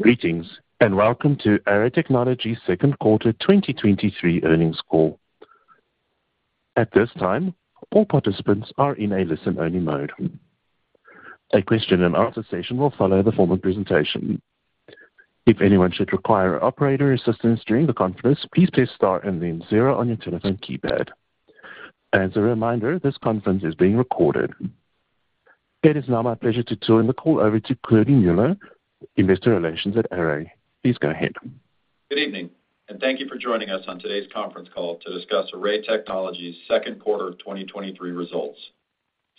Greetings, and welcome to Array Technologies' second quarter 2023 earnings call. At this time, all participants are in a listen-only mode. A question and answer session will follow the formal presentation. If anyone should require operator assistance during the conference, please press star and then zero on your telephone keypad. As a reminder, this conference is being recorded. It is now my pleasure to turn the call over to Cody Mueller, Investor Relations at Array. Please go ahead. Good evening, and thank you for joining us on today's conference call to discuss Array Technologies' second quarter of 2023 results.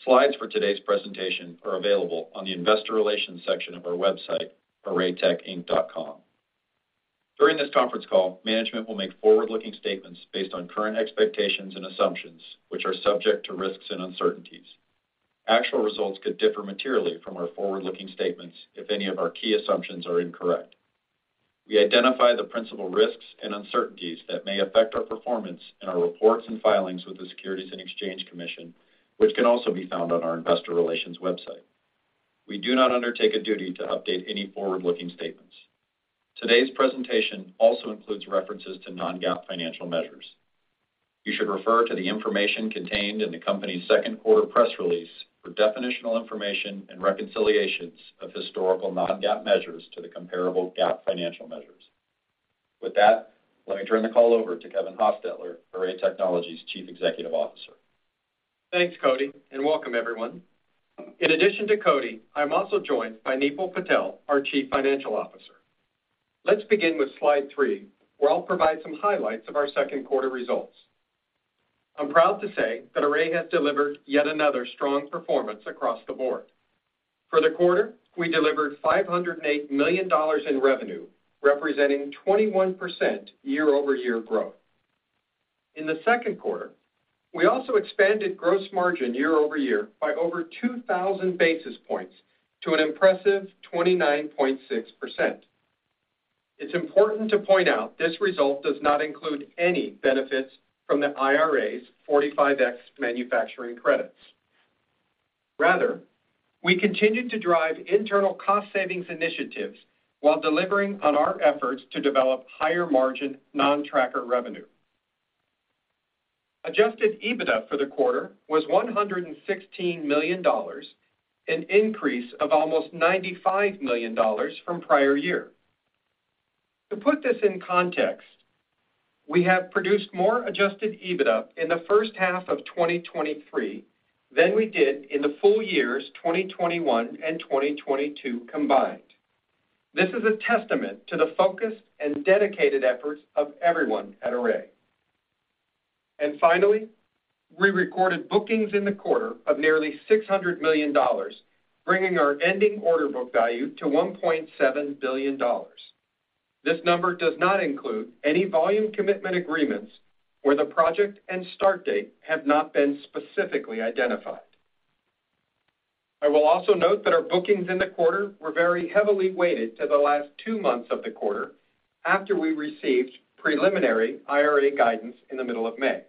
Slides for today's presentation are available on the investor relations section of our website, arraytechinc.com. During this conference call, management will make forward-looking statements based on current expectations and assumptions, which are subject to risks and uncertainties. Actual results could differ materially from our forward-looking statements if any of our key assumptions are incorrect. We identify the principal risks and uncertainties that may affect our performance in our reports and filings with the Securities and Exchange Commission, which can also be found on our investor relations website. We do not undertake a duty to update any forward-looking statements. Today's presentation also includes references to non-GAAP financial measures. You should refer to the information contained in the company's second quarter press release for definitional information and reconciliations of historical non-GAAP measures to the comparable GAAP financial measures. With that, let me turn the call over to Kevin Hostetler, Array Technologies' Chief Executive Officer. Thanks, Cody. Welcome everyone. In addition to Cody, I'm also joined by Nipul Patel, our Chief Financial Officer. Let's begin with slide three, where I'll provide some highlights of our second quarter results. I'm proud to say that Array has delivered yet another strong performance across the board. For the quarter, we delivered $508 million in revenue, representing 21% year-over-year growth. In the second quarter, we also expanded gross margin year-over-year by over 2,000 basis points to an impressive 29.6%. It's important to point out this result does not include any benefits from the IRA's 45X manufacturing credits. We continued to drive internal cost savings initiatives while delivering on our efforts to develop higher margin non-tracker revenue. Adjusted EBITDA for the quarter was $116 million, an increase of almost $95 million from prior year. To put this in context, we have produced more adjusted EBITDA in the first half of 2023 than we did in the full years 2021 and 2022 combined. This is a testament to the focused and dedicated efforts of everyone at Array. Finally, we recorded bookings in the quarter of nearly $600 million, bringing our ending order book value to $1.7 billion. This number does not include any Volume Commitment Agreements where the project and start date have not been specifically identified. I will also note that our bookings in the quarter were very heavily weighted to the last two months of the quarter after we received preliminary IRA guidance in the middle of May.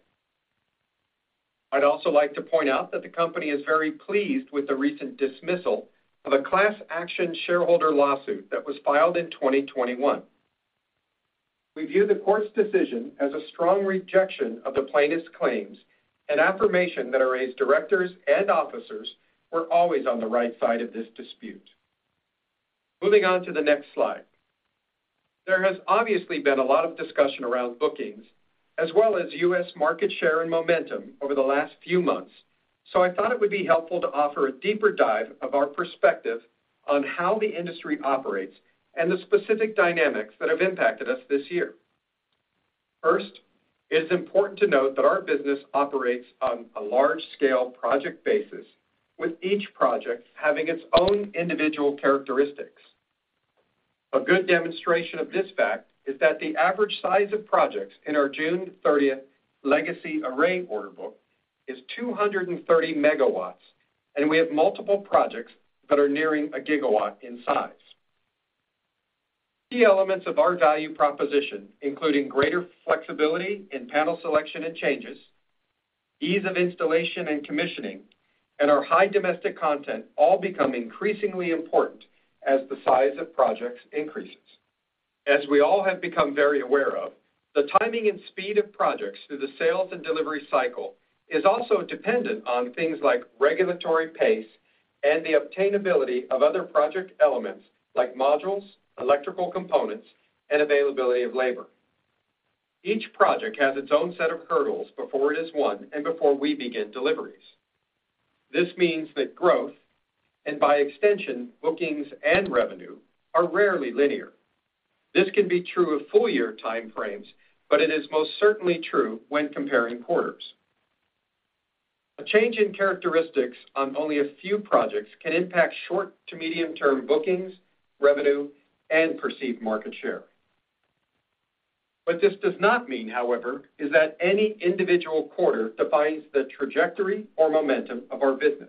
I'd also like to point out that the company is very pleased with the recent dismissal of a class action shareholder lawsuit that was filed in 2021. We view the court's decision as a strong rejection of the plaintiff's claims and affirmation that Array's directors and officers were always on the right side of this dispute. Moving on to the next slide. There has obviously been a lot of discussion around bookings, as well as US market share and momentum over the last few months, so I thought it would be helpful to offer a deeper dive of our perspective on how the industry operates and the specific dynamics that have impacted us this year. First, it is important to note that our business operates on a large-scale project basis, with each project having its own individual characteristics. A good demonstration of this fact is that the average size of projects in our June 30th legacy Array order book is 230 megawatts, and we have multiple projects that are nearing one gigawatt in size. Key elements of our value proposition, including greater flexibility in panel selection and changes, ease of installation and commissioning, and our high domestic content, all become increasingly important as the size of projects increases. As we all have become very aware of, the timing and speed of projects through the sales and delivery cycle is also dependent on things like regulatory pace and the obtainability of other project elements like modules, electrical components, and availability of labor. Each project has its own set of hurdles before it is won and before we begin deliveries. This means that growth, and by extension, bookings and revenue, are rarely linear. This can be true of full-year time frames, but it is most certainly true when comparing quarters. A change in characteristics on only a few projects can impact short to medium-term bookings, revenue, and perceived market share. What this does not mean, however, is that any individual quarter defines the trajectory or momentum of our business.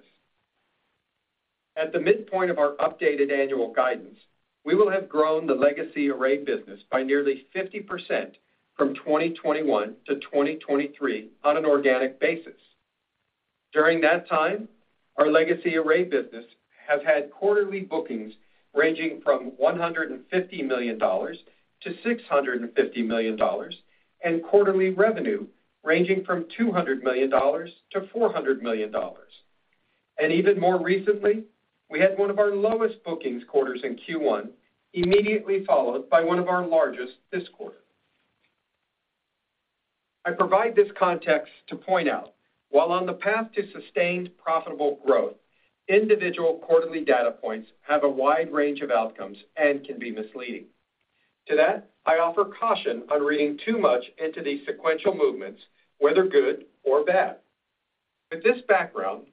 At the midpoint of our updated annual guidance, we will have grown the legacy Array business by nearly 50% from 2021 to 2023 on an organic basis. During that time, our legacy Array business has had quarterly bookings ranging from $150 million-$650 million, and quarterly revenue ranging from $200 million-$400 million. Even more recently, we had one of our lowest bookings quarters in Q1, immediately followed by one of our largest this quarter. I provide this context to point out, while on the path to sustained profitable growth, individual quarterly data points have a wide range of outcomes and can be misleading. To that, I offer caution on reading too much into these sequential movements, whether good or bad. With this background,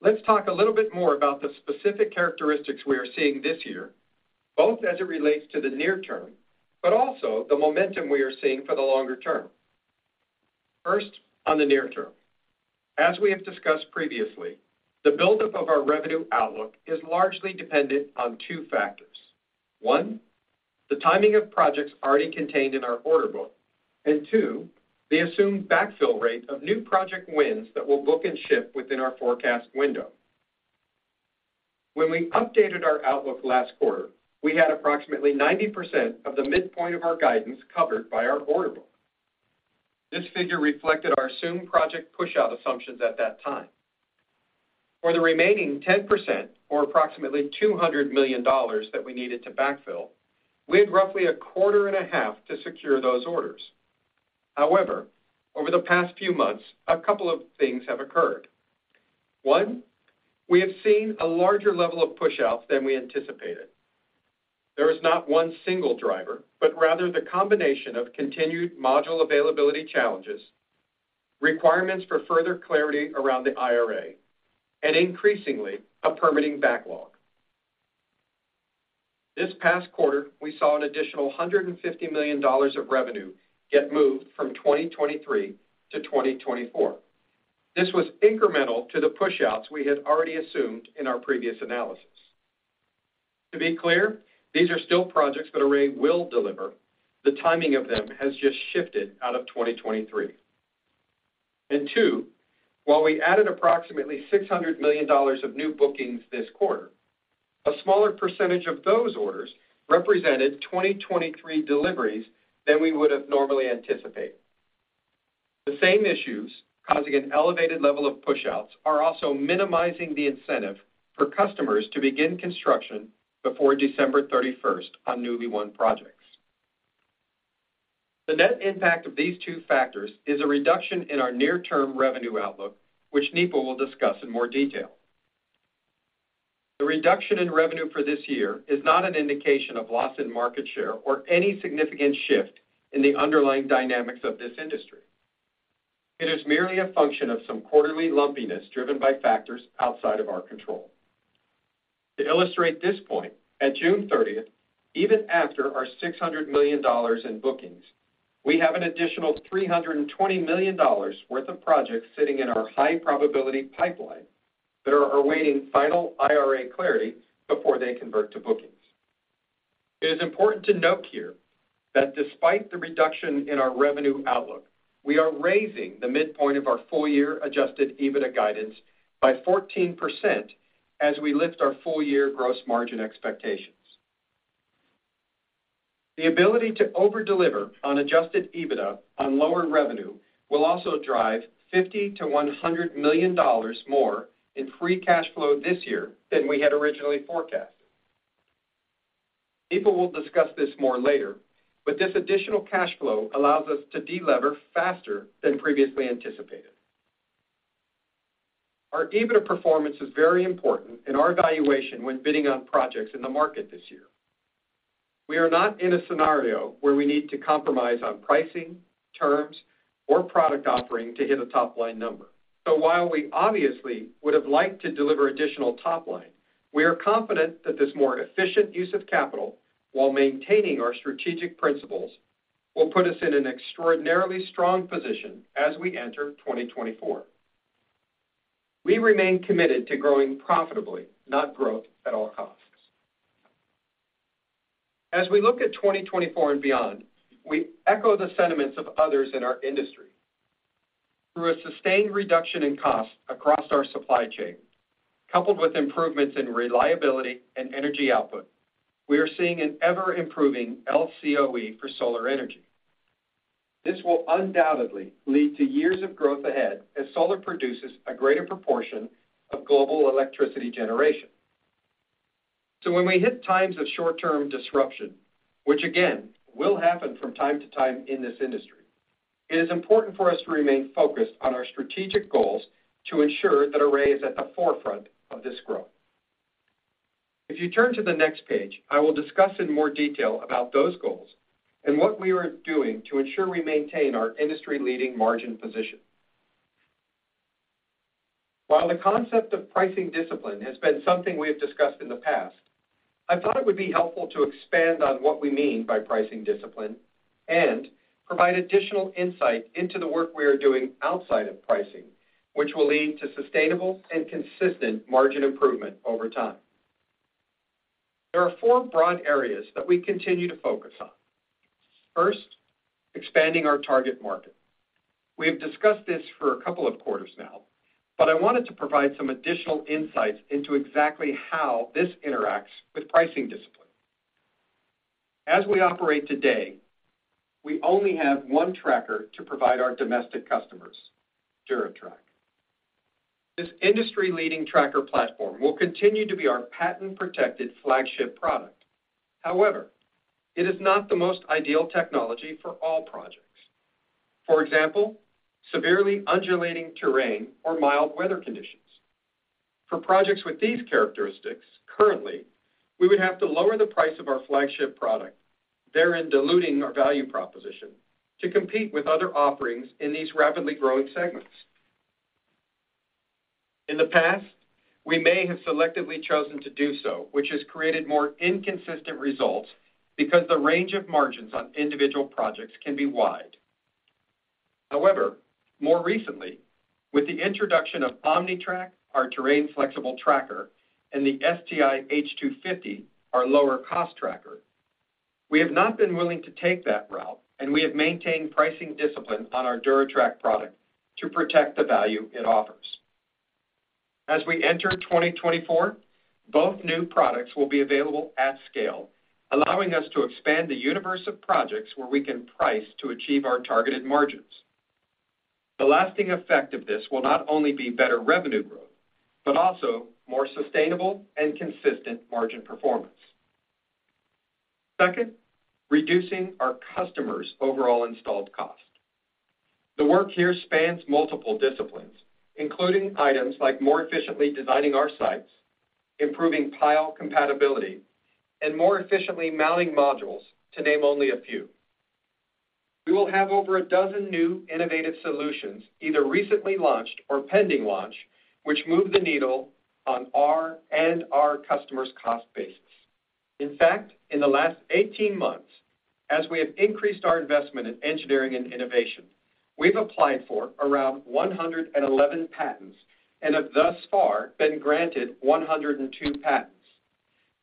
let's talk a little bit more about the specific characteristics we are seeing this year, both as it relates to the near term, but also the momentum we are seeing for the longer term. First, on the near term. As we have discussed previously, the buildup of our revenue outlook is largely dependent on two factors. One, the timing of projects already contained in our order book, and two, the assumed backfill rate of new project wins that will book and ship within our forecast window. When we updated our outlook last quarter, we had approximately 90% of the midpoint of our guidance covered by our order book. This figure reflected our assumed project pushout assumptions at that time. For the remaining 10%, or approximately $200 million that we needed to backfill, we had roughly a quarter and a half to secure those orders. Over the past few months, a couple of things have occurred. One, we have seen a larger level of pushouts than we anticipated. There is not one single driver, but rather the combination of continued module availability challenges, requirements for further clarity around the IRA, and increasingly, a permitting backlog. This past quarter, we saw an additional $150 million of revenue get moved from 2023-2024. This was incremental to the pushouts we had already assumed in our previous analysis. To be clear, these are still projects that Array will deliver. The timing of them has just shifted out of 2023. Two, while we added approximately $600 million of new bookings this quarter, a smaller percentage of those orders represented 2023 deliveries than we would have normally anticipated. The same issues, causing an elevated level of pushouts, are also minimizing the incentive for customers to begin construction before December 31st on newly won projects. The net impact of these two factors is a reduction in our near-term revenue outlook, which Nipun will discuss in more detail. The reduction in revenue for this year is not an indication of loss in market share or any significant shift in the underlying dynamics of this industry. It is merely a function of some quarterly lumpiness driven by factors outside of our control. To illustrate this point, at June 30th, even after our $600 million in bookings, we have an additional $320 million worth of projects sitting in our high-probability pipeline that are awaiting final IRA clarity before they convert to bookings. It is important to note here that despite the reduction in our revenue outlook, we are raising the midpoint of our full-year adjusted EBITDA guidance by 14% as we lift our full-year gross margin expectations. The ability to over-deliver on adjusted EBITDA on lower revenue will also drive $50 million-$100 million more in free cash flow this year than we had originally forecasted. Nipun will discuss this more later, but this additional cash flow allows us to delever faster than previously anticipated. Our EBITDA performance is very important in our evaluation when bidding on projects in the market this year. We are not in a scenario where we need to compromise on pricing, terms, or product offering to hit a top-line number. While we obviously would have liked to deliver additional top line, we are confident that this more efficient use of capital, while maintaining our strategic principles, will put us in an extraordinarily strong position as we enter 2024. We remain committed to growing profitably, not growth at all costs. As we look at 2024 and beyond, we echo the sentiments of others in our industry. Through a sustained reduction in cost across our supply chain, coupled with improvements in reliability and energy output, we are seeing an ever-improving LCOE for solar energy. This will undoubtedly lead to years of growth ahead as solar produces a greater proportion of global electricity generation. When we hit times of short-term disruption, which again, will happen from time-to-time in this industry, it is important for us to remain focused on our strategic goals to ensure that Array is at the forefront of this growth. If you turn to the next page, I will discuss in more detail about those goals and what we are doing to ensure we maintain our industry-leading margin position. While the concept of pricing discipline has been something we have discussed in the past, I thought it would be helpful to expand on what we mean by pricing discipline and provide additional insight into the work we are doing outside of pricing, which will lead to sustainable and consistent margin improvement over time. There are four broad areas that we continue to focus on. First, expanding our target market. We have discussed this for a couple of quarters now. I wanted to provide some additional insights into exactly how this interacts with pricing discipline. As we operate today, we only have one tracker to provide our domestic customers, DuraTrack. This industry-leading tracker platform will continue to be our patent-protected flagship product. However, it is not the most ideal technology for all projects. For example, severely undulating terrain or mild weather conditions. For projects with these characteristics, currently, we would have to lower the price of our flagship product, therein diluting our value proposition, to compete with other offerings in these rapidly growing segments. In the past, we may have selectively chosen to do so, which has created more inconsistent results because the range of margins on individual projects can be wide. However, more recently, with the introduction of OmniTrack, our terrain-flexible tracker, and the STI H250, our lower-cost tracker, we have not been willing to take that route, and we have maintained pricing discipline on our DuraTrack product to protect the value it offers. As we enter 2024, both new products will be available at scale, allowing us to expand the universe of projects where we can price to achieve our targeted margins. The lasting effect of this will not only be better revenue growth, but also more sustainable and consistent margin performance. Second, reducing our customers' overall installed cost. The work here spans multiple disciplines, including items like more efficiently designing our sites, improving pile compatibility, and more efficiently mounting modules, to name only a few. We will have over 12 new innovative solutions, either recently launched or pending launch, which move the needle on our and our customers' cost basis. In fact, in the last 18 months, as we have increased our investment in engineering and innovation, we've applied for around 111 patents and have thus far been granted 102 patents.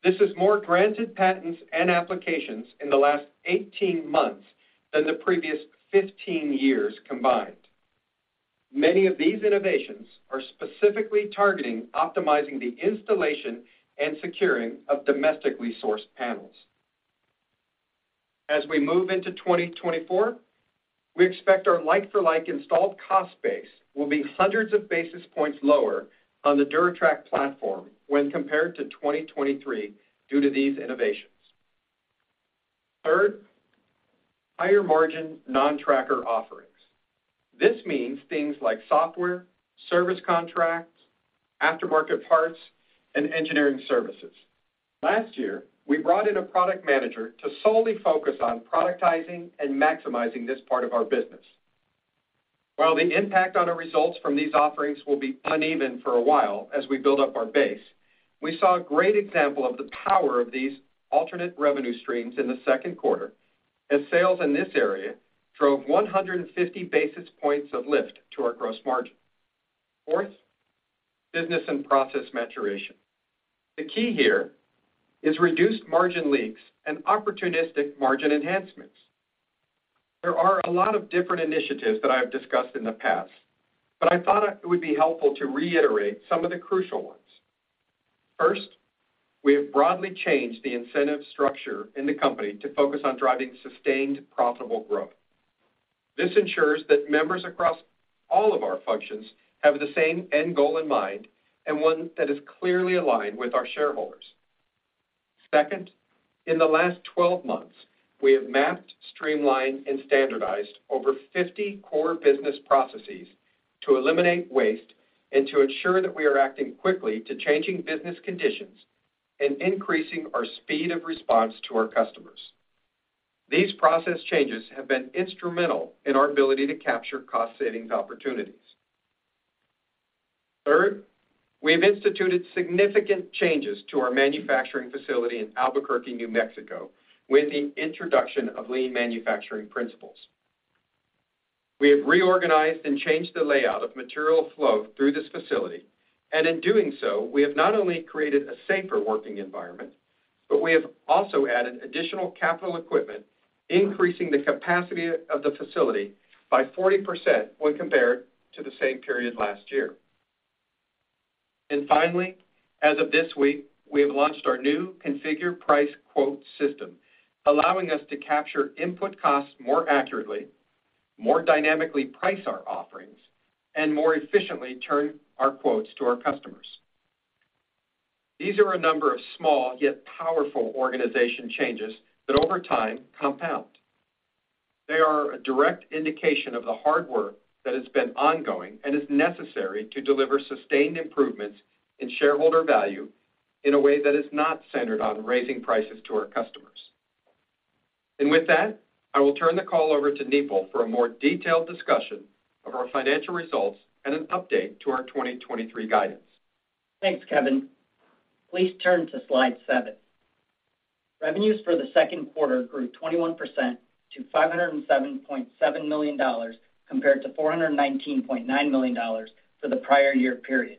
This is more granted patents and applications in the last 18 months than the previous 15 years combined. Many of these innovations are specifically targeting optimizing the installation and securing of domestically sourced panels. As we move into 2024, we expect our like-for-like installed cost base will be hundreds of basis points lower on the DuraTrack platform when compared to 2023 due to these innovations. Third, higher-margin non-tracker offerings. This means things like software, service contracts, aftermarket parts, and engineering services. Last year, we brought in a product manager to solely focus on productizing and maximizing this part of our business. While the impact on our results from these offerings will be uneven for a while as we build up our base, we saw a great example of the power of these alternate revenue streams in the second quarter, as sales in this area drove 150 basis points of lift to our gross margin. Fourth, business and process maturation. The key here is reduced margin leaks and opportunistic margin enhancements. There are a lot of different initiatives that I have discussed in the past, but I thought it would be helpful to reiterate some of the crucial ones. First, we have broadly changed the incentive structure in the company to focus on driving sustained, profitable growth. This ensures that members across all of our functions have the same end goal in mind, and one that is clearly aligned with our shareholders. Second, in the last 12 months, we have mapped, streamlined, and standardized over 50 core business processes to eliminate waste and to ensure that we are acting quickly to changing business conditions and increasing our speed of response to our customers. These process changes have been instrumental in our ability to capture cost savings opportunities. Third, we have instituted significant changes to our manufacturing facility in Albuquerque, New Mexico, with the introduction of lean manufacturing principles. We have reorganized and changed the layout of material flow through this facility, in doing so, we have not only created a safer working environment, but we have also added additional capital equipment, increasing the capacity of the facility by 40% when compared to the same period last year. Finally, as of this week, we have launched our new configure price quote system, allowing us to capture input costs more accurately, more dynamically price our offerings, and more efficiently turn our quotes to our customers. These are a number of small, yet powerful, organization changes that over time compound. They are a direct indication of the hard work that has been ongoing and is necessary to deliver sustained improvements in shareholder value in a way that is not centered on raising prices to our customers. With that, I will turn the call over to Nipul for a more detailed discussion of our financial results and an update to our 2023 guidance. Thanks, Kevin. Please turn to slide seven. Revenues for the second quarter grew 21% to $507.7 million, compared to $419.9 million for the prior year period.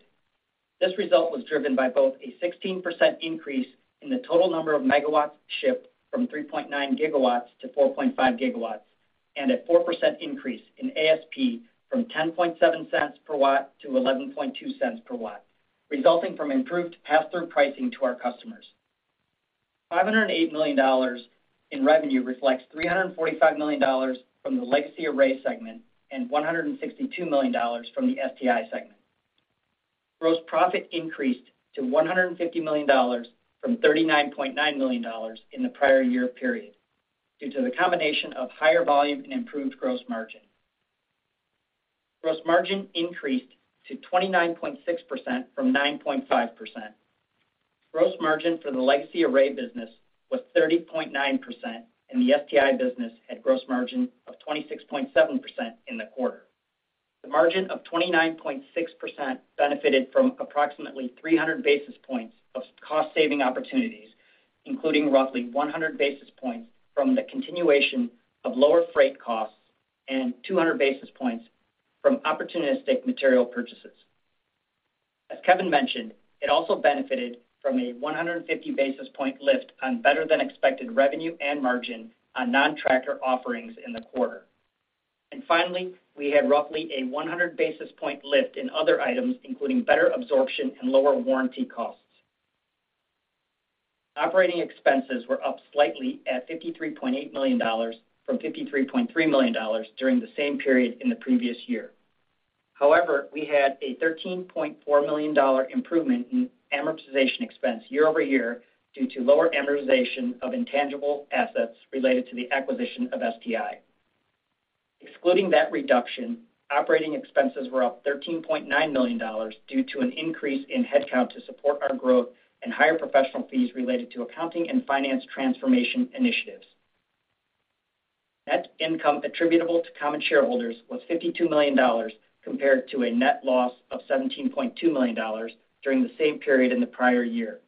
This result was driven by both a 16% increase in the total number of megawatts shipped from 3.9 GW to 4.5 GW, a 4% increase in ASP from $0.107 per watt to $0.112 per watt, resulting from improved pass-through pricing to our customers. $508 million in revenue reflects $345 million from the legacy Array segment and $162 million from the STI segment. Gross profit increased to $150 million from $39.9 million in the prior year period, due to the combination of higher volume and improved gross margin. Gross margin increased to 29.6% from 9.5%. Gross margin for the legacy Array business was 30.9%, and the STI business had gross margin of 26.7% in the quarter. The margin of 29.6% benefited from approximately 300 basis points of cost-saving opportunities, including roughly 100 basis points from the continuation of lower freight costs and 200 basis points from opportunistic material purchases. As Kevin mentioned, it also benefited from a 150 basis point lift on better-than-expected revenue and margin on non-tracker offerings in the quarter. Finally, we had roughly a 100 basis point lift in other items, including better absorption and lower warranty costs. Operating expenses were up slightly at $53.8 million from $53.3 million during the same period in the previous year. However, we had a $13.4 million improvement in amortization expense year-over-year due to lower amortization of intangible assets related to the acquisition of STI. Excluding that reduction, operating expenses were up $13.9 million due to an increase in headcount to support our growth and higher professional fees related to accounting and finance transformation initiatives. Net income attributable to common shareholders was $52 million, compared to a net loss of $17.2 million during the same period in the prior year.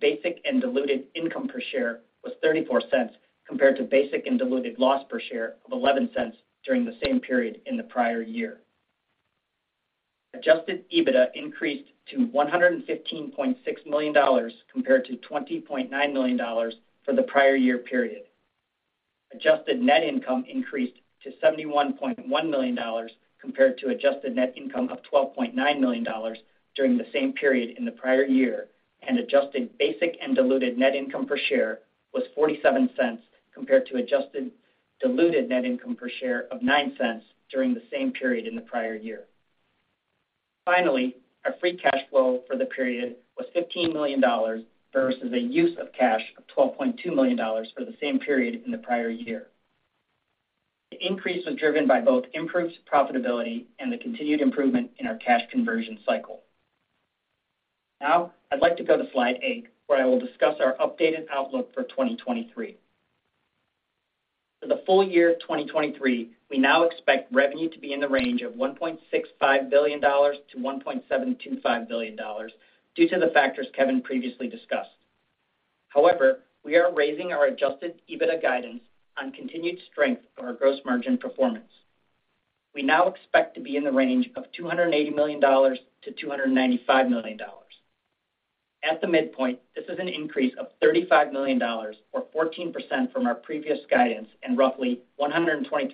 Basic and diluted income per share was $0.34, compared to basic and diluted loss per share of $0.11 during the same period in the prior year. Adjusted EBITDA increased to $115.6 million, compared to $20.9 million for the prior year period. Adjusted net income increased to $71.1 million, compared to adjusted net income of $12.9 million during the same period in the prior year. Adjusted basic and diluted net income per share was $0.47, compared to adjusted diluted net income per share of $0.09 during the same period in the prior year. Finally, our free cash flow for the period was $15 million versus a use of cash of $12.2 million for the same period in the prior year. The increase was driven by both improved profitability and the continued improvement in our cash conversion cycle. I'd like to go to slide eight, where I will discuss our updated outlook for 2023. For the full year of 2023, we now expect revenue to be in the range of $1.65 billion-$1.725 billion due to the factors Kevin previously discussed. We are raising our adjusted EBITDA guidance on continued strength on our gross margin performance. We now expect to be in the range of $280 million-$295 million. At the midpoint, this is an increase of $35 million or 14% from our previous guidance, and roughly 123%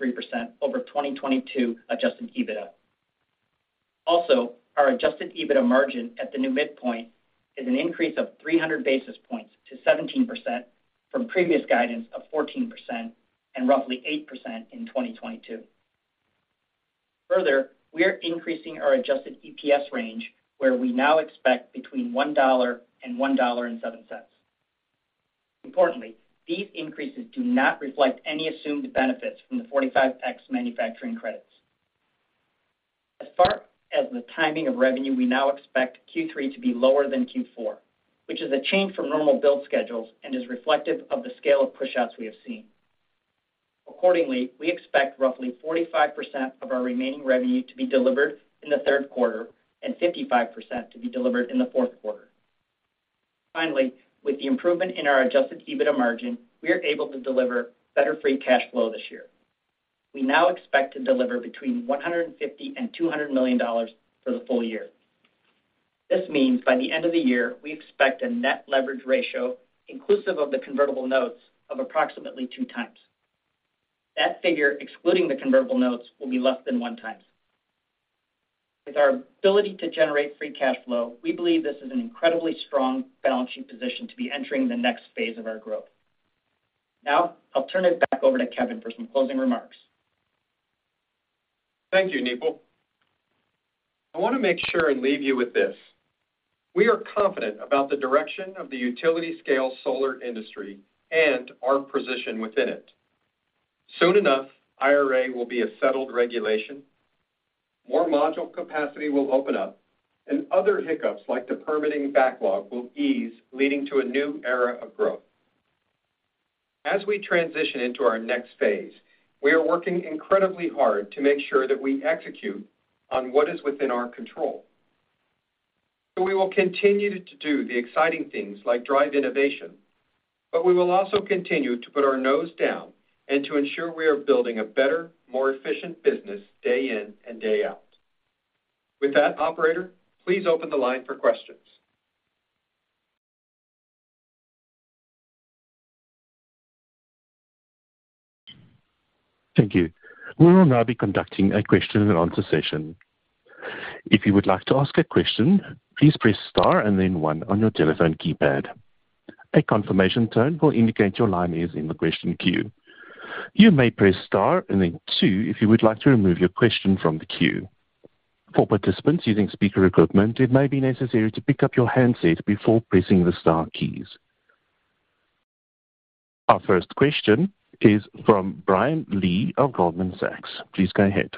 over 2022 Adjusted EBITDA. Also, our Adjusted EBITDA margin at the new midpoint is an increase of 300 basis points to 17% from previous guidance of 14% and roughly 8% in 2022. Further, we are increasing our Adjusted EPS range, where we now expect between $1.00 and $1.07. Importantly, these increases do not reflect any assumed benefits from the 45X manufacturing credits. As far as the timing of revenue, we now expect Q3 to be lower than Q4, which is a change from normal build schedules and is reflective of the scale of pushouts we have seen. Accordingly, we expect roughly 45% of our remaining revenue to be delivered in the third quarter and 55% to be delivered in the fourth quarter. Finally, with the improvement in our adjusted EBITDA margin, we are able to deliver better free cash flow this year. We now expect to deliver between $150 million-$200 million for the full year. This means by the end of the year, we expect a net leverage ratio, inclusive of the convertible notes, of approximately 2x. That figure, excluding the convertible notes, will be less than one time. With our ability to generate free cash flow, we believe this is an incredibly strong balance sheet position to be entering the next phase of our growth. I'll turn it back over to Kevin for some closing remarks. Thank you, Nipun. I want to make sure and leave you with this: We are confident about the direction of the utility scale solar industry and our position within it. Soon enough, IRA will be a settled regulation, more module capacity will open up, and other hiccups, like the permitting backlog, will ease, leading to a new era of growth. As we transition into our next phase, we are working incredibly hard to make sure that we execute on what is within our control. We will continue to do the exciting things like drive innovation, but we will also continue to put our nose down and to ensure we are building a better, more efficient business day in and day out. With that, operator, please open the line for questions. Thank you. We will now be conducting a question-and-answer session. If you would like to ask a question, please press star and then one on your telephone keypad. A confirmation tone will indicate your line is in the question queue. You may press star and then two if you would like to remove your question from the queue. For participants using speaker equipment, it may be necessary to pick up your handset before pressing the star keys. Our first question is from Brian Lee of Goldman Sachs. Please go ahead.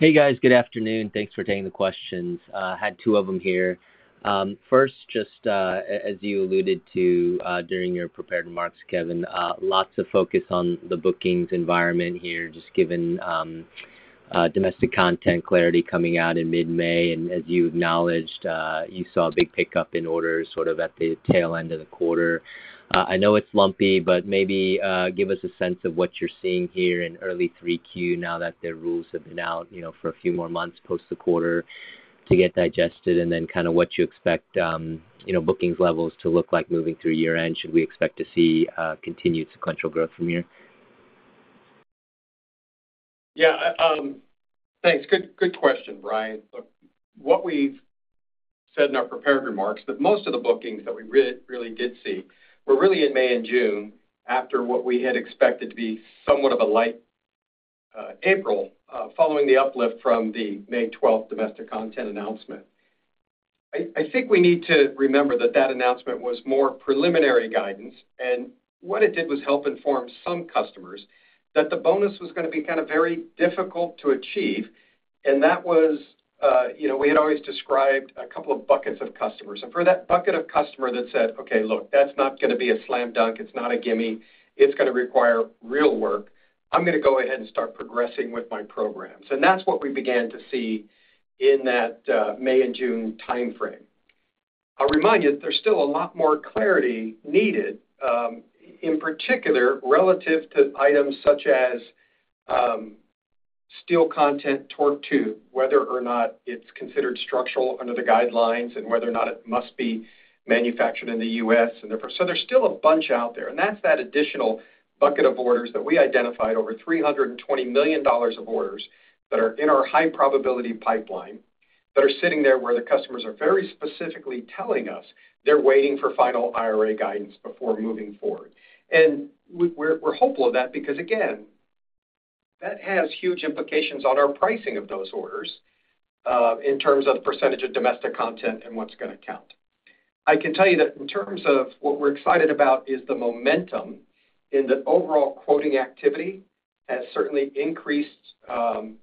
Hey, guys. Good afternoon. Thanks for taking the questions. I had two of them here. First, just, as you alluded to, during your prepared remarks, Kevin, lots of focus on the bookings environment here, just given domestic content clarity coming out in mid-May. As you acknowledged, you saw a big pickup in orders sort of at the tail end of the quarter. I know it's lumpy, but maybe give us a sense of what you're seeing here in early 3Q, now that the rules have been out, you know, for a few more months, post the quarter to get digested, and then kind of what you expect, you know, bookings levels to look like moving through year end. Should we expect to see continued sequential growth from here? Yeah, thanks. Good, good question, Brian. Look, what we've said in our prepared remarks, that most of the bookings that we really, really did see were really in May and June, after what we had expected to be somewhat of a light April, following the uplift from the May 12th domestic content announcement. I think we need to remember that that announcement was more preliminary guidance, and what it did was help inform some customers that the bonus was gonna be kind of very difficult to achieve, and that was, you know, we had always described a couple of buckets of customers. For that bucket of customer that said, "Okay, look, that's not gonna be a slam dunk. It's not a gimme. It's gonna require real work. I'm gonna go ahead and start progressing with my programs. That's what we began to see in that May and June timeframe. I'll remind you, there's still a lot more clarity needed in particular, relative to items such as steel content torque tube, whether or not it's considered structural under the guidelines and whether or not it must be manufactured in the U.S. So there's still a bunch out there, and that's that additional bucket of orders that we identified, over $320 million of orders, that are in our high-probability pipeline, that are sitting there, where the customers are very specifically telling us they're waiting for final IRA guidance before moving forward. We're, we're hopeful of that because, again, that has huge implications on our pricing of those orders, in terms of the percentage of domestic content and what's gonna count. I can tell you that in terms of what we're excited about is the momentum, and the overall quoting activity has certainly increased, kind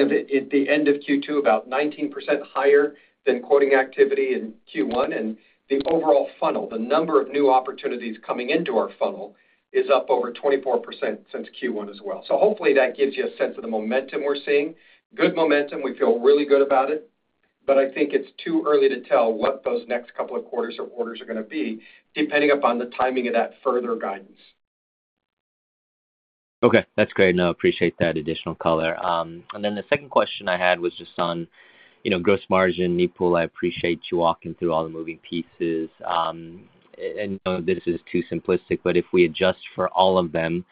of at, at the end of Q2, about 19% higher than quoting activity in Q1. The overall funnel, the number of new opportunities coming into our funnel, is up over 24% since Q1 as well. Hopefully that gives you a sense of the momentum we're seeing. Good momentum, we feel really good about it, but I think it's too early to tell what those next couple of quarters or orders are gonna be, depending upon the timing of that further guidance. Okay, that's great. No, I appreciate that additional color. Then the second question I had was just on, you know, gross margin, Nipul. I appreciate you walking through all the moving pieces. I know this is too simplistic, but if we adjust for all of them,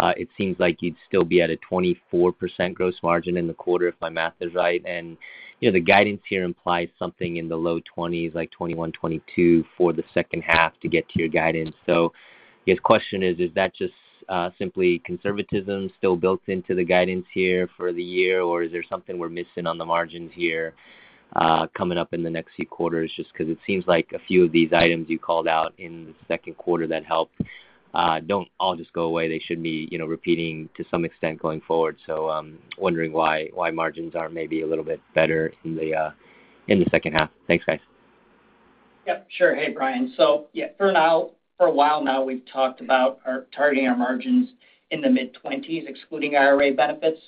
it seems like you'd still be at a 24% gross margin in the quarter, if my math is right. You know, the guidance here implies something in the low 20s, like 21, 22, for the second half to get to your guidance. I guess the question is: Is that just simply conservatism still built into the guidance here for the year, or is there something we're missing on the margins here, coming up in the next few quarters? Just 'cause it seems like a few of these items you called out in the second quarter that helped, don't all just go away. They should be, you know, repeating to some extent going forward. Wondering why, why margins are maybe a little bit better in the second half. Thanks, guys. Yep, sure. Hey, Brian. Yeah, for a while now, we've talked about our targeting our margins in the mid-20s, excluding IRA benefits.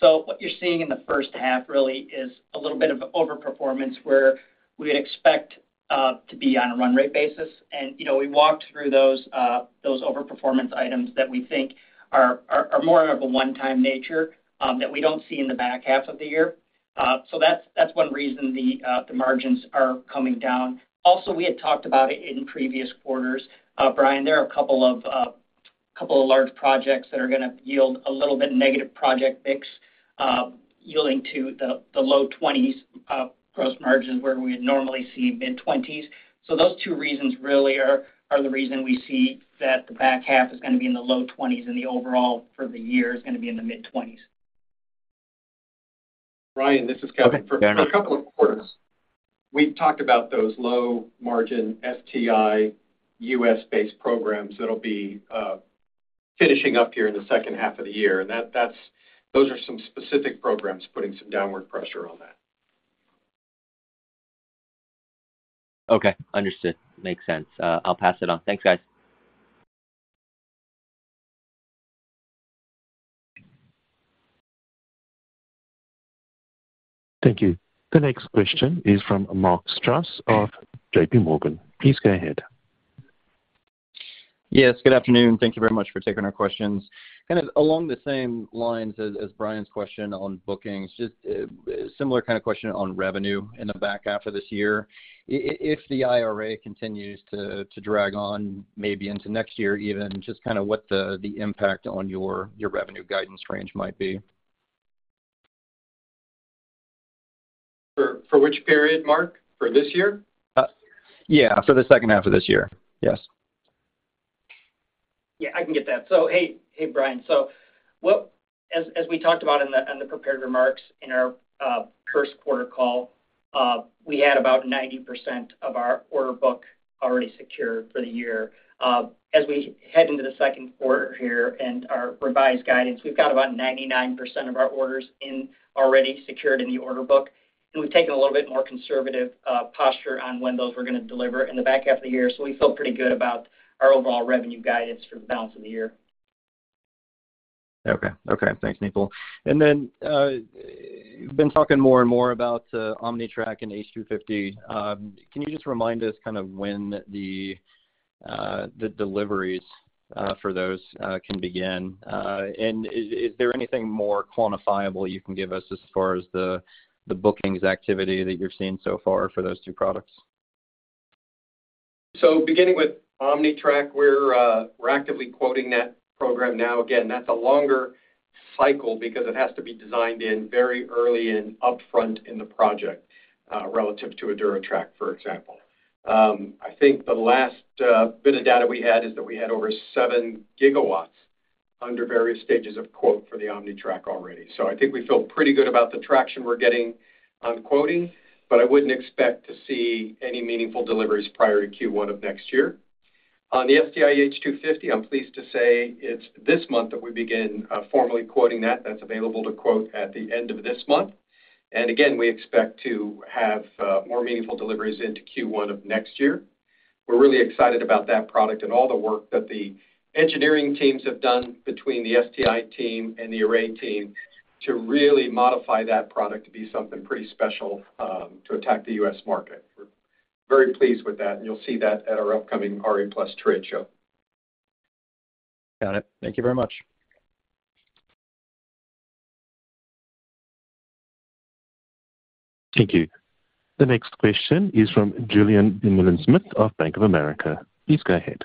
What you're seeing in the first half really is a little bit of overperformance where we'd expect to be on a run rate basis. You know, we walked through those those overperformance items that we think are more of a one-time nature that we don't see in the back half of the year. That's one reason the margins are coming down. Also, we had talked about it in previous quarters, Brian, there are a couple of large projects that are gonna yield a little bit negative project mix, yielding to the low 20s gross margins, where we'd normally see mid-20s. Those two reasons really are, are the reason we see that the back half is gonna be in the low 20s, and the overall for the year is gonna be in the mid-20s. Brian, this is Kevin. Yeah. For a couple of quarters, we've talked about those low-margin STI U.S.-based programs that'll be finishing up here in the second half of the year. That, those are some specific programs putting some downward pressure on that. Okay, understood. Makes sense. I'll pass it on. Thanks, guys. Thank you. The next question is from Mark Strouse of J.P. Morgan. Please go ahead. Yes, good afternoon. Thank you very much for taking our questions. Kind of along the same lines as, as Brian's question on bookings, just similar kind of question on revenue in the back half of this year. If the IRA continues to, to drag on, maybe into next year even, just kind of what the, the impact on your, your revenue guidance range might be? For, for which period, Mark? For this year? Yeah, for the second half of this year. Yes. Yeah, I can get that. Hey, hey, Brian. What as, as we talked about in the prepared remarks in our first quarter call, we had about 90% of our order book already secured for the year. As we head into the second quarter here and our revised guidance, we've got about 99% of our orders in already secured in the order book, and we've taken a little bit more conservative posture on when those we're going to deliver in the back half of the year. We feel pretty good about our overall revenue guidance for the balance of the year. Okay. Okay, thanks, Nipul. You've been talking more and more about OmniTrack and H250. Can you just remind us kind of when the deliveries for those can begin? Is there anything more quantifiable you can give us as far as the bookings activity that you're seeing so far for those two products? Beginning with OmniTrack, we're actively quoting that program now. Again, that's a longer cycle because it has to be designed in very early and upfront in the project, relative to a DuraTrack, for example. I think the last bit of data we had is that we had over seven gigawatts under various stages of quote for the OmniTrack already. I think we feel pretty good about the traction we're getting on quoting, but I wouldn't expect to see any meaningful deliveries prior to Q1 of next year. On the STI H250, I'm pleased to say it's this month that we begin formally quoting that. That's available to quote at the end of this month. Again, we expect to have more meaningful deliveries into Q1 of next year. We're really excited about that product and all the work that the engineering teams have done between the STI team and the Array team to really modify that product to be something pretty special, to attack the US market. We're very pleased with that, and you'll see that at our upcoming RE+ trade show. Got it. Thank you very much. Thank you. The next question is from Julien Dumoulin-Smith of Bank of America. Please go ahead.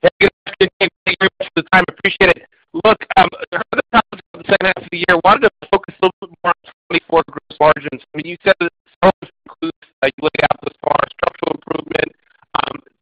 Hey, good afternoon. Thank you very much for the time. Appreciate it. Look, in terms of the second half of the year, wanted to focus a little bit more on 2024 gross margins. I mean, you said that includes, like, laid out thus far, structural improvement,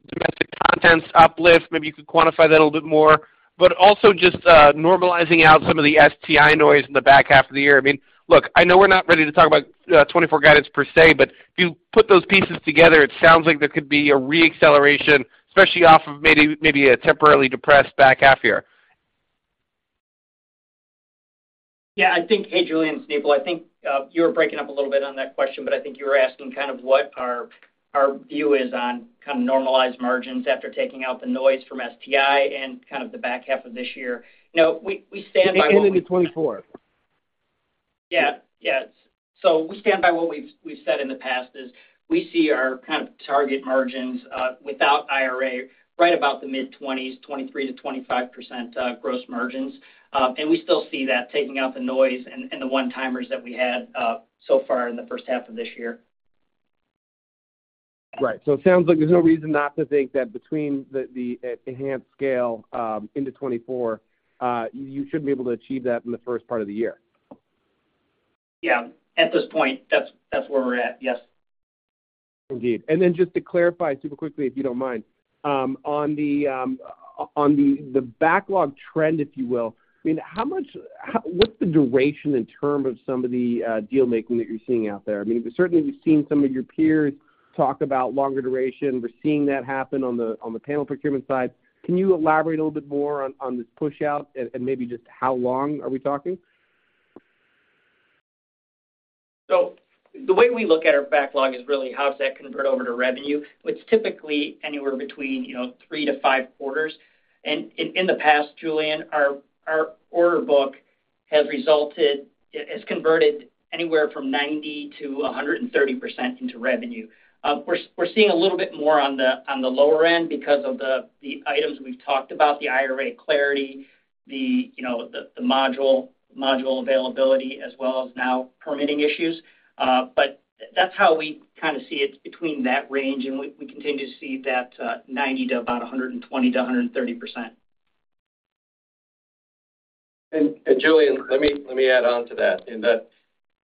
domestic contents uplift. Maybe you could quantify that a little bit more, but also just normalizing out some of the STI noise in the back half of the year. I mean, look, I know we're not ready to talk about 2024 guidance per se, but if you put those pieces together, it sounds like there could be a reacceleration, especially off of maybe, maybe a temporarily depressed back half year. Yeah, I think, hey, Julien, it's Nipul. I think you were breaking up a little bit on that question, but I think you were asking kind of what our view is on kind of normalized margins after taking out the noise from STI and kind of the back half of this year. You know, we stand by- Going into 2024. Yeah. Yes. We stand by what we've, we've said in the past, is we see our kind of target margins, without IRA, right about the mid-20s, 23%-25% gross margins. We still see that taking out the noise and, and the one-timers that we had, so far in the first half of this year. It sounds like there's no reason not to think that between the, the enhanced scale, into 2024, you should be able to achieve that in the first part of the year. Yeah. At this point, that's, that's where we're at. Yes. Indeed. Then just to clarify super quickly, if you don't mind, on the, on the, the backlog trend, if you will, I mean, what's the duration in term of some of the deal making that you're seeing out there? I mean, certainly, we've seen some of your peers talk about longer duration. We're seeing that happen on the, on the panel procurement side. Can you elaborate a little bit more on, on this push out and, and maybe just how long are we talking? The way we look at our backlog is really, how does that convert over to revenue? It's typically anywhere between, you know, three-five quarters. In the past, Julian, our order book has converted anywhere from 90%-130% into revenue. We're seeing a little bit more on the lower end because of the items we've talked about, the IRA clarity, the, you know, the module availability, as well as now permitting issues. That's how we kind of see it between that range, and we continue to see that, 90% to about 120%-130%. Julien, let me, let me add on to that, in that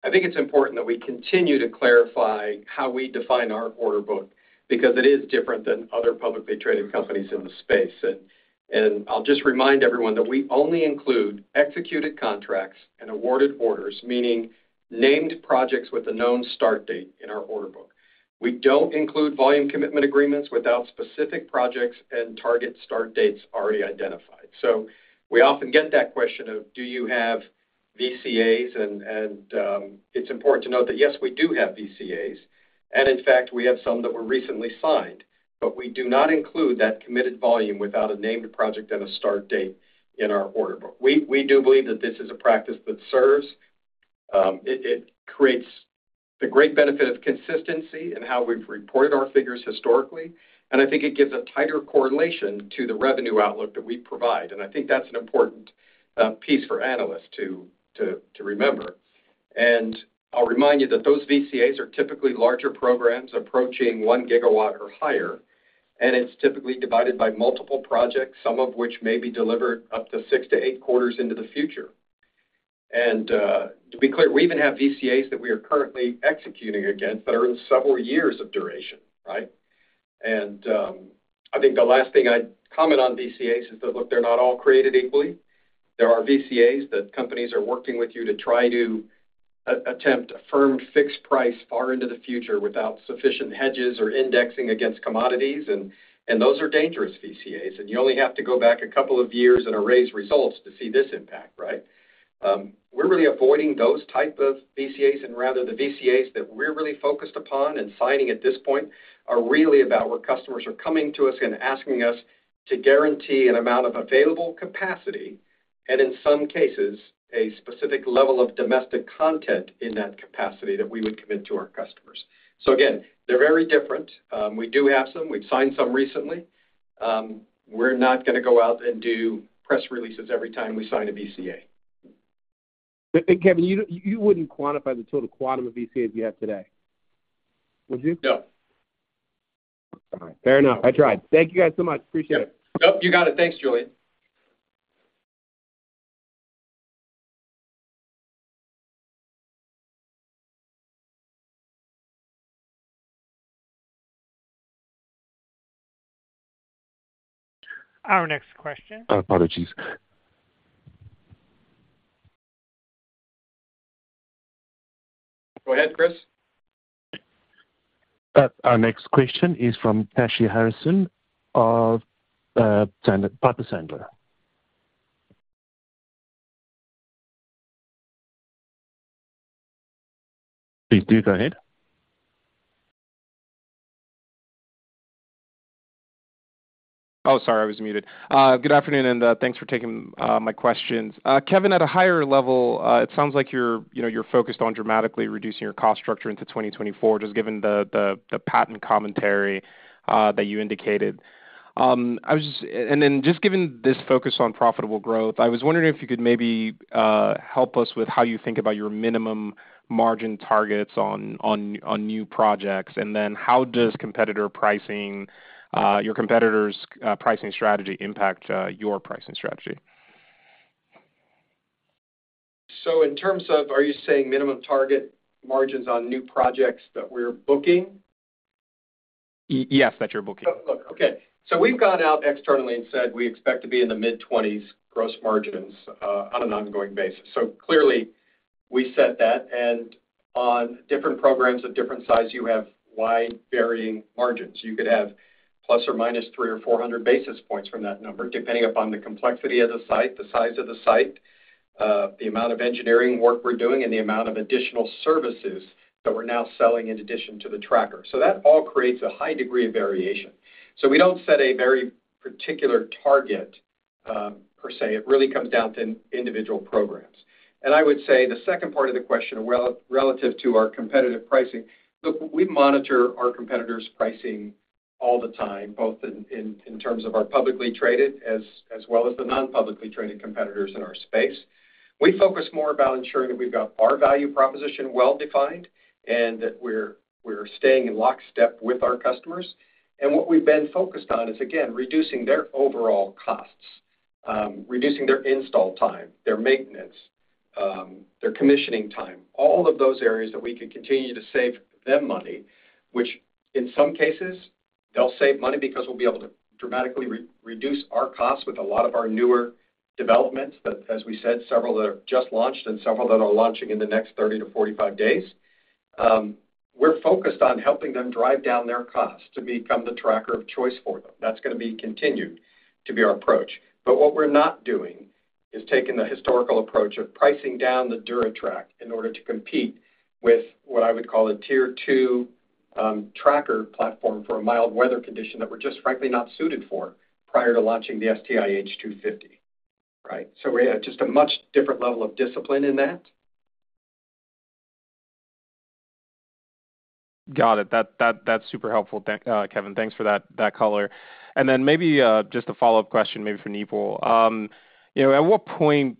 I think it's important that we continue to clarify how we define our order book, because it is different than other publicly traded companies in the space. I'll just remind everyone that we only include executed contracts and awarded orders, meaning named projects with a known start date in our order book. We don't include volume commitment agreements without specific projects and target start dates already identified. We often get that question of, do you have VCAs, it's important to note that, yes, we do have VCAs, and in fact, we have some that were recently signed, but we do not include that committed volume without a named project and a start date in our order book. We, we do believe that this is a practice that serves. It creates the great benefit of consistency in how we've reported our figures historically, and I think it gives a tighter correlation to the revenue outlook that we provide. I think that's an important piece for analysts to remember. I'll remind you that those VCAs are typically larger programs approaching one gigawatt or higher, and it's typically divided by multiple projects, some of which may be delivered up to six to eight quarters into the future. To be clear, we even have VCAs that we are currently executing against that are in several years of duration, right? I think the last thing I'd comment on VCAs is that, look, they're not all created equally. There are VCAs that companies are working with you to try to attempt a firm fixed price far into the future without sufficient hedges or indexing against commodities, and those are dangerous VCAs. You only have to go back a couple of years and Array's results to see this impact, right? We're really avoiding those type of VCAs, and rather, the VCAs that we're really focused upon and signing at this point are really about where customers are coming to us and asking us to guarantee an amount of available capacity, and in some cases, a specific level of domestic content in that capacity that we would commit to our customers. Again, they're very different. We do have some. We've signed some recently. We're not gonna go out and do press releases every time we sign a VCA. Kevin, you, you wouldn't quantify the total quantum of VCAs you have today, would you? No. All right. Fair enough. I tried. Thank you, guys, so much. Appreciate it. Yep. You got it. Thanks, Julian. Our next question- Apologies. Go ahead, Chris. Our next question is from Kashy Harrison of Piper Sandler. Please do go ahead. Oh, sorry, I was muted. Good afternoon, and thanks for taking my questions. Kevin, at a higher level, it sounds like you're, you know, you're focused on dramatically reducing your cost structure into 2024, just given the, the, the patent commentary that you indicated. Then just given this focus on profitable growth, I was wondering if you could maybe help us with how you think about your minimum margin targets on, on, on new projects, and then how does competitor pricing, your competitor's pricing strategy impact your pricing strategy? Are you saying minimum target margins on new projects that we're booking? Yes, that you're booking. Oh, look, okay. We've gone out externally and said we expect to be in the mid-20s gross margins on an ongoing basis. Clearly, we set that, and on different programs of different size, you have wide varying margins. You could have ±300 or 400 basis points from that number, depending upon the complexity of the site, the size of the site, the amount of engineering work we're doing, and the amount of additional services that we're now selling in addition to the tracker. That all creates a high degree of variation. We don't set a very particular target per se. It really comes down to individual programs. I would say the second part of the question, relative to our competitive pricing, look, we monitor our competitors' pricing all the time, both in, in, in terms of our publicly traded as, as well as the non-publicly traded competitors in our space. We focus more about ensuring that we've got our value proposition well defined, and that we're, we're staying in lockstep with our customers. What we've been focused on is, again, reducing their overall costs, reducing their install time, their maintenance, their commissioning time, all of those areas that we can continue to save them money, which in some cases, they'll save money because we'll be able to dramatically re-reduce our costs with a lot of our newer developments, that as we said, several that have just launched and several that are launching in the next 30-45 days. We're focused on helping them drive down their costs to become the tracker of choice for them. That's gonna be continued to be our approach. What we're not doing is taking the historical approach of pricing down the DuraTrack in order to compete with what I would call a tier two tracker platform for a mild weather condition that we're just frankly not suited for prior to launching the STI H250, right? We have just a much different level of discipline in that. Got it. That, that, that's super helpful, thank- Kevin. Thanks for that, that color. And then maybe, just a follow-up question, maybe for Nipul. You know, at what point,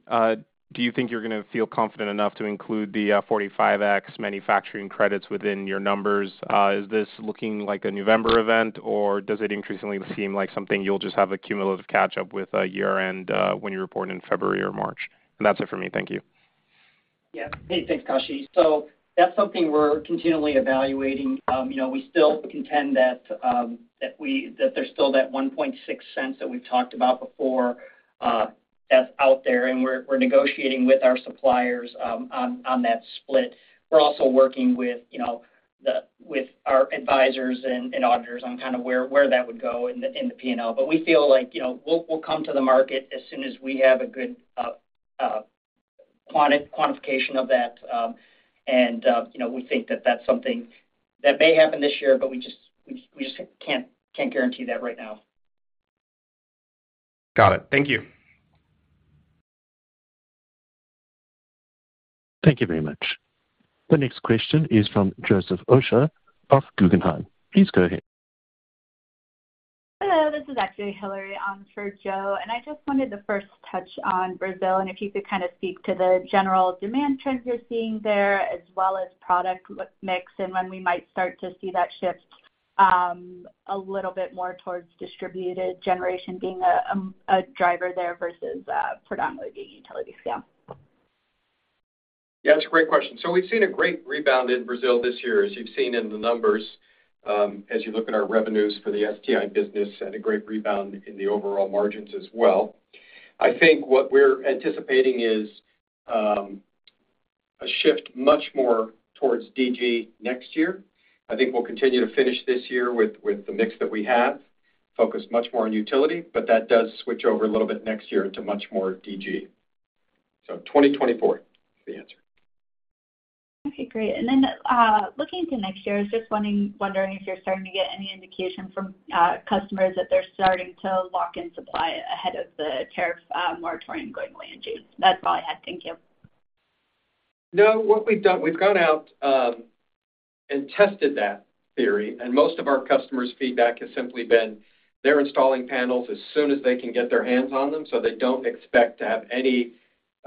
do you think you're gonna feel confident enough to include the 45X manufacturing credits within your numbers? Is this looking like a November event, or does it increasingly seem like something you'll just have a cumulative catch-up with at year-end, when you're reporting in February or March? That's it for me. Thank you. Yeah. Hey, thanks, Kashy. That's something we're continually evaluating. You know, we still contend that there's still that $0.016 that we've talked about before, that's out there, and we're, we're negotiating with our suppliers, on, on that split. We're also working with, you know- The, with our advisors and auditors on kind of where, where that would go in the P&L. We feel like, you know, we'll, we'll come to the market as soon as we have a good quantification of that. You know, we think that that's something that may happen this year, but we just, we just can't guarantee that right now. Got it. Thank you. Thank you very much. The next question is from Joseph Osha of Guggenheim. Please go ahead. Hello, this is actually Hilary on for Joe, and I just wanted to first touch on Brazil, and if you could kind of speak to the general demand trends you're seeing there, as well as product mix, and when we might start to see that shift, a little bit more towards distributed generation being a driver there versus predominantly being utility scale. Yeah, that's a great question. We've seen a great rebound in Brazil this year, as you've seen in the numbers, as you look at our revenues for the STI business, and a great rebound in the overall margins as well. I think what we're anticipating is a shift much more towards DG next year. I think we'll continue to finish this year with, with the mix that we have, focused much more on utility, but that does switch over a little bit next year to much more DG. 2024, the answer. Okay, great. Then, looking into next year, I was just wondering if you're starting to get any indication from customers that they're starting to lock in supply ahead of the tariff moratorium going away in June? That's all I had. Thank you. No, what we've done, we've gone out, and tested that theory, and most of our customers' feedback has simply been they're installing panels as soon as they can get their hands on them, so they don't expect to have any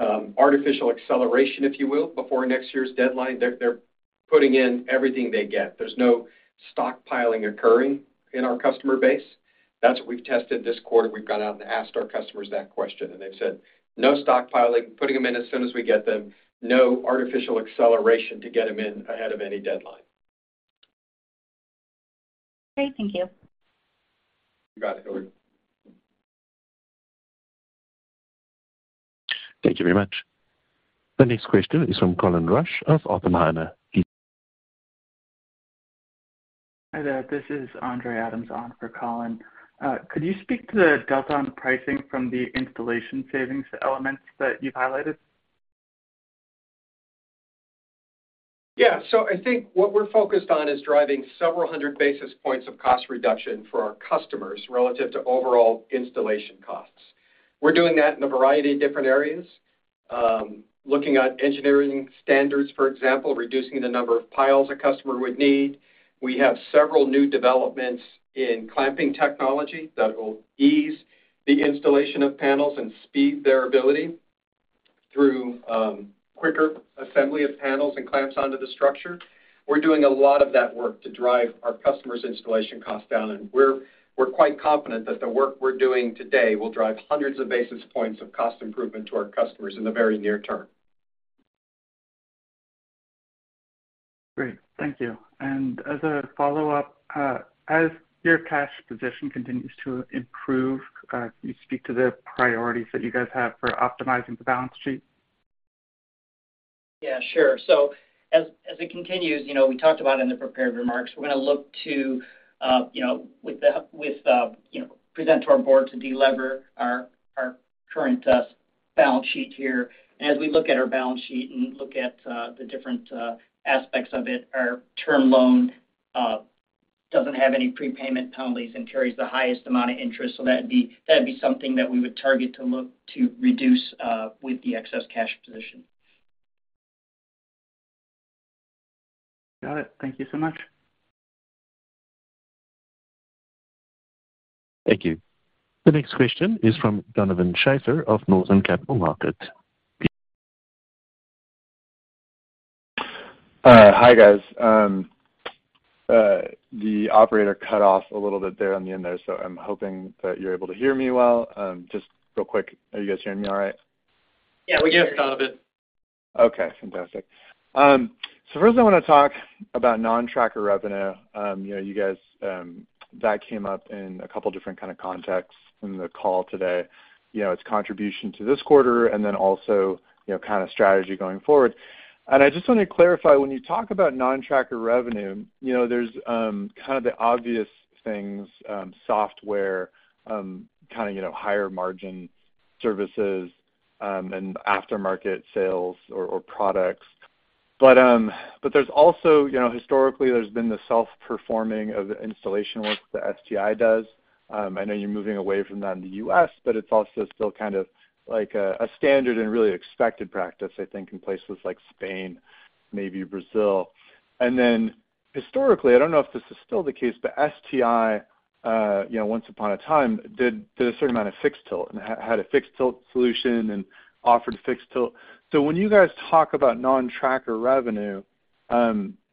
artificial acceleration, if you will, before next year's deadline. They're, they're putting in everything they get. There's no stockpiling occurring in our customer base. That's what we've tested this quarter. We've gone out and asked our customers that question, and they've said, "No stockpiling, putting them in as soon as we get them. No artificial acceleration to get them in ahead of any deadline. Great. Thank you. You got it, Hilary. Thank you very much. The next question is from Colin Rusch of Oppenheimer. Hi there, this is Andre Adams on for Colin. Could you speak to the delta on pricing from the installation savings elements that you've highlighted? Yeah. I think what we're focused on is driving several hundred basis points of cost reduction for our customers relative to overall installation costs. We're doing that in a variety of different areas, looking at engineering standards, for example, reducing the number of piles a customer would need. We have several new developments in clamping technology that will ease the installation of panels and speed their ability through, quicker assembly of panels and clamps onto the structure. We're doing a lot of that work to drive our customers' installation costs down, and we're, we're quite confident that the work we're doing today will drive hundreds of basis points of cost improvement to our customers in the very near term. Great. Thank you. As a follow-up, as your cash position continues to improve, can you speak to the priorities that you guys have for optimizing the balance sheet? Yeah, sure. As, as it continues, you know, we talked about in the prepared remarks, we're going to look to, you know, with the, with, you know, present to our board to delever our, our current, balance sheet here. As we look at our balance sheet and look at, the different, aspects of it, our term loan, doesn't have any prepayment penalties and carries the highest amount of interest, so that'd be, that'd be something that we would target to look to reduce, with the excess cash position. Got it. Thank you so much. Thank you. The next question is from Donovan Schafer of Northland Capital Markets. Hi, guys. The operator cut off a little bit there on the end there, so I'm hoping that you're able to hear me well. Just real quick, are you guys hearing me all right? Yeah, we can. Yes, Donovan. Okay, fantastic. First I want to talk about non-tracker revenue. You know, you guys, that came up in a couple different kind of contexts in the call today. You know, its contribution to this quarter and then also, you know, kind of strategy going forward. I just want to clarify, when you talk about non-tracker revenue, you know, there's kind of the obvious things, software, kind of, you know, higher margin services, and aftermarket sales or, or products. There's also, you know, historically, there's been the self-performing of the installation work that STI does. I know you're moving away from that in the U.S., but it's also still kind of like a, a standard and really expected practice, I think, in places like Spain, maybe Brazil. Historically, I don't know if this is still the case, but STI, you know, once upon a time did, did a certain amount of fixed tilt and had, had a fixed tilt solution and offered fixed tilt. When you guys talk about non-tracker revenue,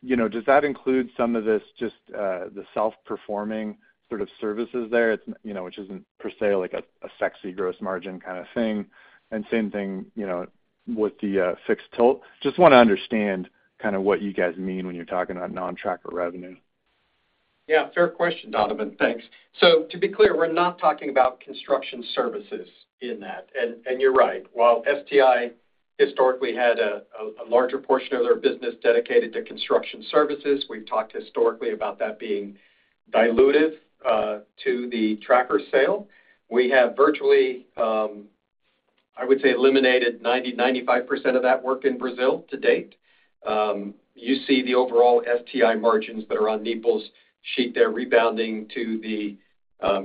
you know, does that include some of this just, the self-performing sort of services there, it's, you know, which isn't per se, like a, a sexy gross margin kind of thing, and same thing, you know, with the, fixed tilt? Just want to understand kind of what you guys mean when you're talking about non-tracker revenue. Yeah, fair question, Donovan. Thanks. To be clear, we're not talking about construction services in that. You're right. While STI historically had a larger portion of their business dedicated to construction services, we've talked historically about that being dilutive to the tracker sale. We have virtually, I would say eliminated 90%-95% of that work in Brazil to date. You see the overall STI margins that are on Nipul's sheet there rebounding to the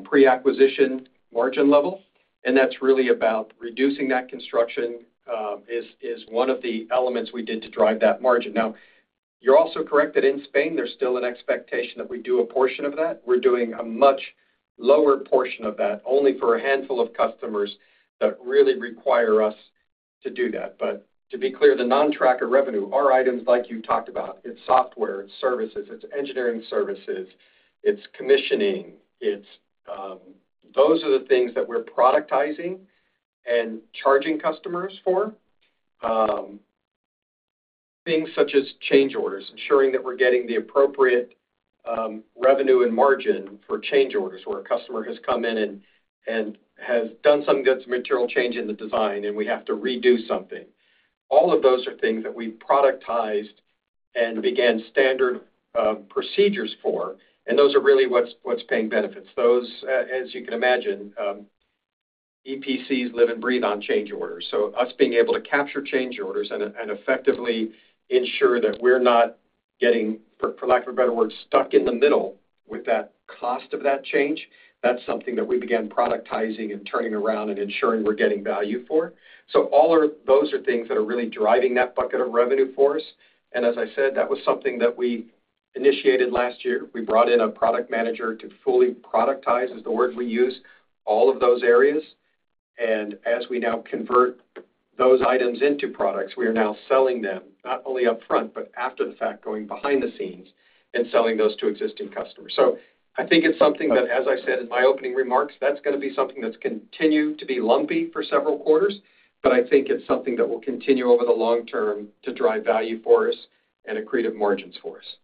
pre-acquisition margin level, and that's really about reducing that construction is, is one of the elements we did to drive that margin. You're also correct that in Spain, there's still an expectation that we do a portion of that. We're doing a much lower portion of that, only for a handful of customers that really require us to do that. To be clear, the non-tracker revenue are items like you talked about. It's software, it's services, it's engineering services, it's commissioning, it's, those are the things that we're productizing and charging customers for. Things such as change orders, ensuring that we're getting the appropriate revenue and margin for change orders, where a customer has come in and, and has done some material change in the design, and we have to redo something. All of those are things that we've productized and began standard procedures for, and those are really what's, what's paying benefits. Those, as you can imagine, EPCs live and breathe on change orders. Us being able to capture change orders and, and effectively ensure that we're not getting, for lack of a better word, stuck in the middle with that cost of that change, that's something that we began productizing and turning around and ensuring we're getting value for. Those are things that are really driving that bucket of revenue for us. As I said, that was something that we initiated last year. We brought in a product manager to fully productize, is the word we use, all of those areas. As we now convert those items into products, we are now selling them, not only upfront, but after the fact, going behind the scenes and selling those to existing customers. I think it's something that, as I said in my opening remarks, that's gonna be something that's continued to be lumpy for several quarters, but I think it's something that will continue over the long term to drive value for us and accretive margins for us.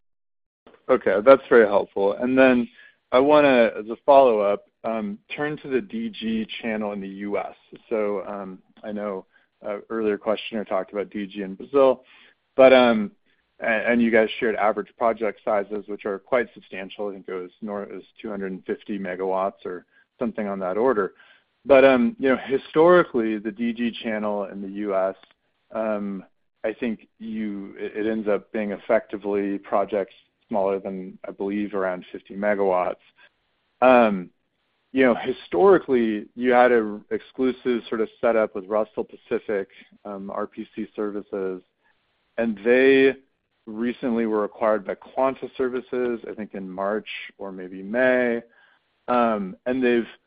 That's very helpful. I wanna, as a follow-up, turn to the DG channel in the U.S. I know an earlier questioner talked about DG in Brazil, and you guys shared average project sizes, which are quite substantial. I think it was nor- it was 250 megawatts or something on that order. You know, historically, the DG channel in the U.S., I think you-- it, it ends up being effectively projects smaller than, I believe, around 50 megawatts. You know, historically, you had an exclusive sort of setup with Russell Pacific, RPCS, and they recently were acquired by Quanta Services, I think, in March or maybe May. They've--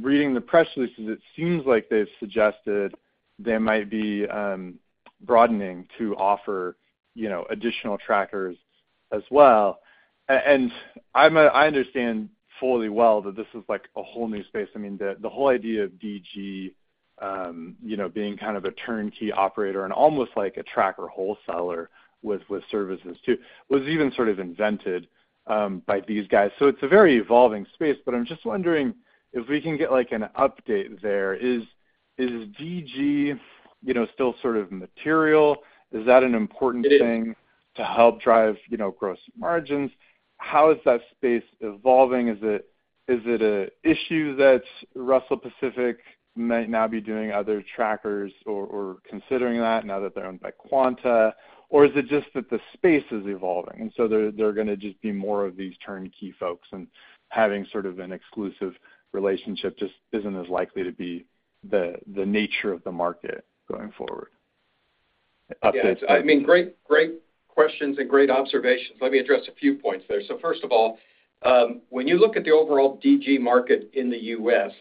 reading the press releases, it seems like they've suggested they might be broadening to offer, you know, additional trackers as well. I understand fully well that this is, like, a whole new space. I mean, the, the whole idea of DG, you know, being kind of a turnkey operator and almost like a tracker wholesaler with, with services too, was even sort of invented by these guys. It's a very evolving space, but I'm just wondering if we can get, like, an update there. Is, is DG, you know, still sort of material? Is that an important thing? It is. To help drive, you know, gross margins? How is that space evolving? Is it, is it a issue that Russell Pacific might now be doing other trackers or, or considering that now that they're owned by Quanta? Or is it just that the space is evolving, and so there, there are gonna just be more of these turnkey folks, and having sort of an exclusive relationship just isn't as likely to be the, the nature of the market going forward? Yeah. I mean, great, great questions and great observations. Let me address a few points there. First of all, when you look at the overall DG market in the U.S.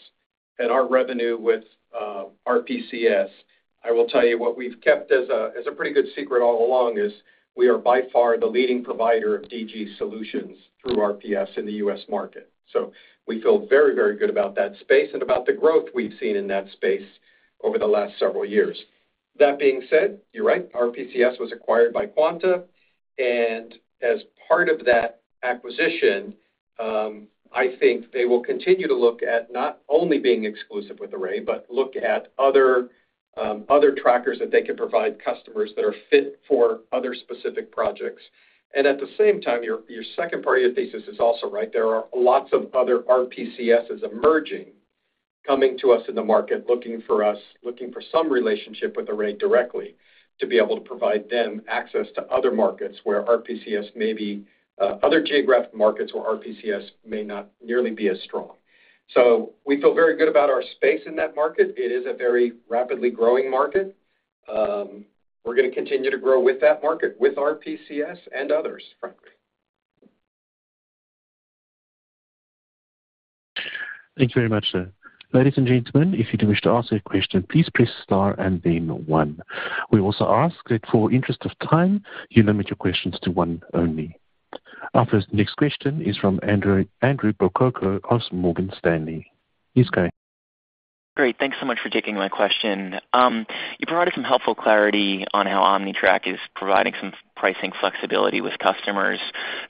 and our revenue with RPCS, I will tell you what we've kept as a, as a pretty good secret all along is we are by far the leading provider of DG solutions through RPCS in the US market. We feel very, very good about that space and about the growth we've seen in that space over the last several years. That being said, you're right, RPCS was acquired by Quanta, and as part of that acquisition, I think they will continue to look at not only being exclusive with Array, but look at other, other trackers that they can provide customers that are fit for other specific projects. At the same time, your, your second part of your thesis is also right. There are lots of other RPCSs emerging, coming to us in the market, looking for us, looking for some relationship with Array directly, to be able to provide them access to other markets where RPCS may be, other geographic markets where RPCS may not nearly be as strong. We feel very good about our space in that market. It is a very rapidly growing market. We're gonna continue to grow with that market, with RPCS and others, frankly. Thank you very much, sir. Ladies and gentlemen, if you do wish to ask a question, please press star and then one. We also ask that for interest of time, you limit your questions to one only. Our first next question is from Andrew, Andrew Percoco of Morgan Stanley. Please go ahead. Great. Thanks so much for taking my question. You provided some helpful clarity on how OmniTrack is providing some pricing flexibility with customers.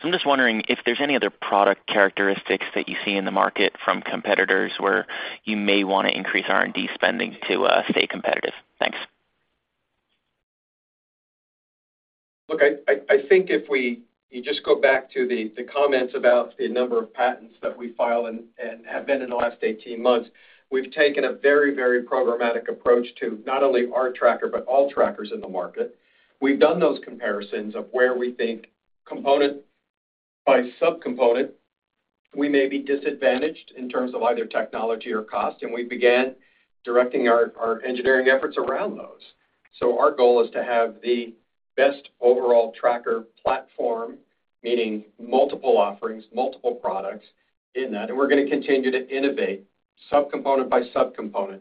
I'm just wondering if there's any other product characteristics that you see in the market from competitors, where you may want to increase R&D spending to stay competitive? Thanks. Look, I think if you just go back to the comments about the number of patents that we filed and have been in the last 18 months, we've taken a very, very programmatic approach to not only our tracker, but all trackers in the market. We've done those comparisons of where we think component by subcomponent, we may be disadvantaged in terms of either technology or cost, and we began directing our engineering efforts around those. Our goal is to have the best overall tracker platform, meaning multiple offerings, multiple products in that, and we're gonna continue to innovate subcomponent by subcomponent.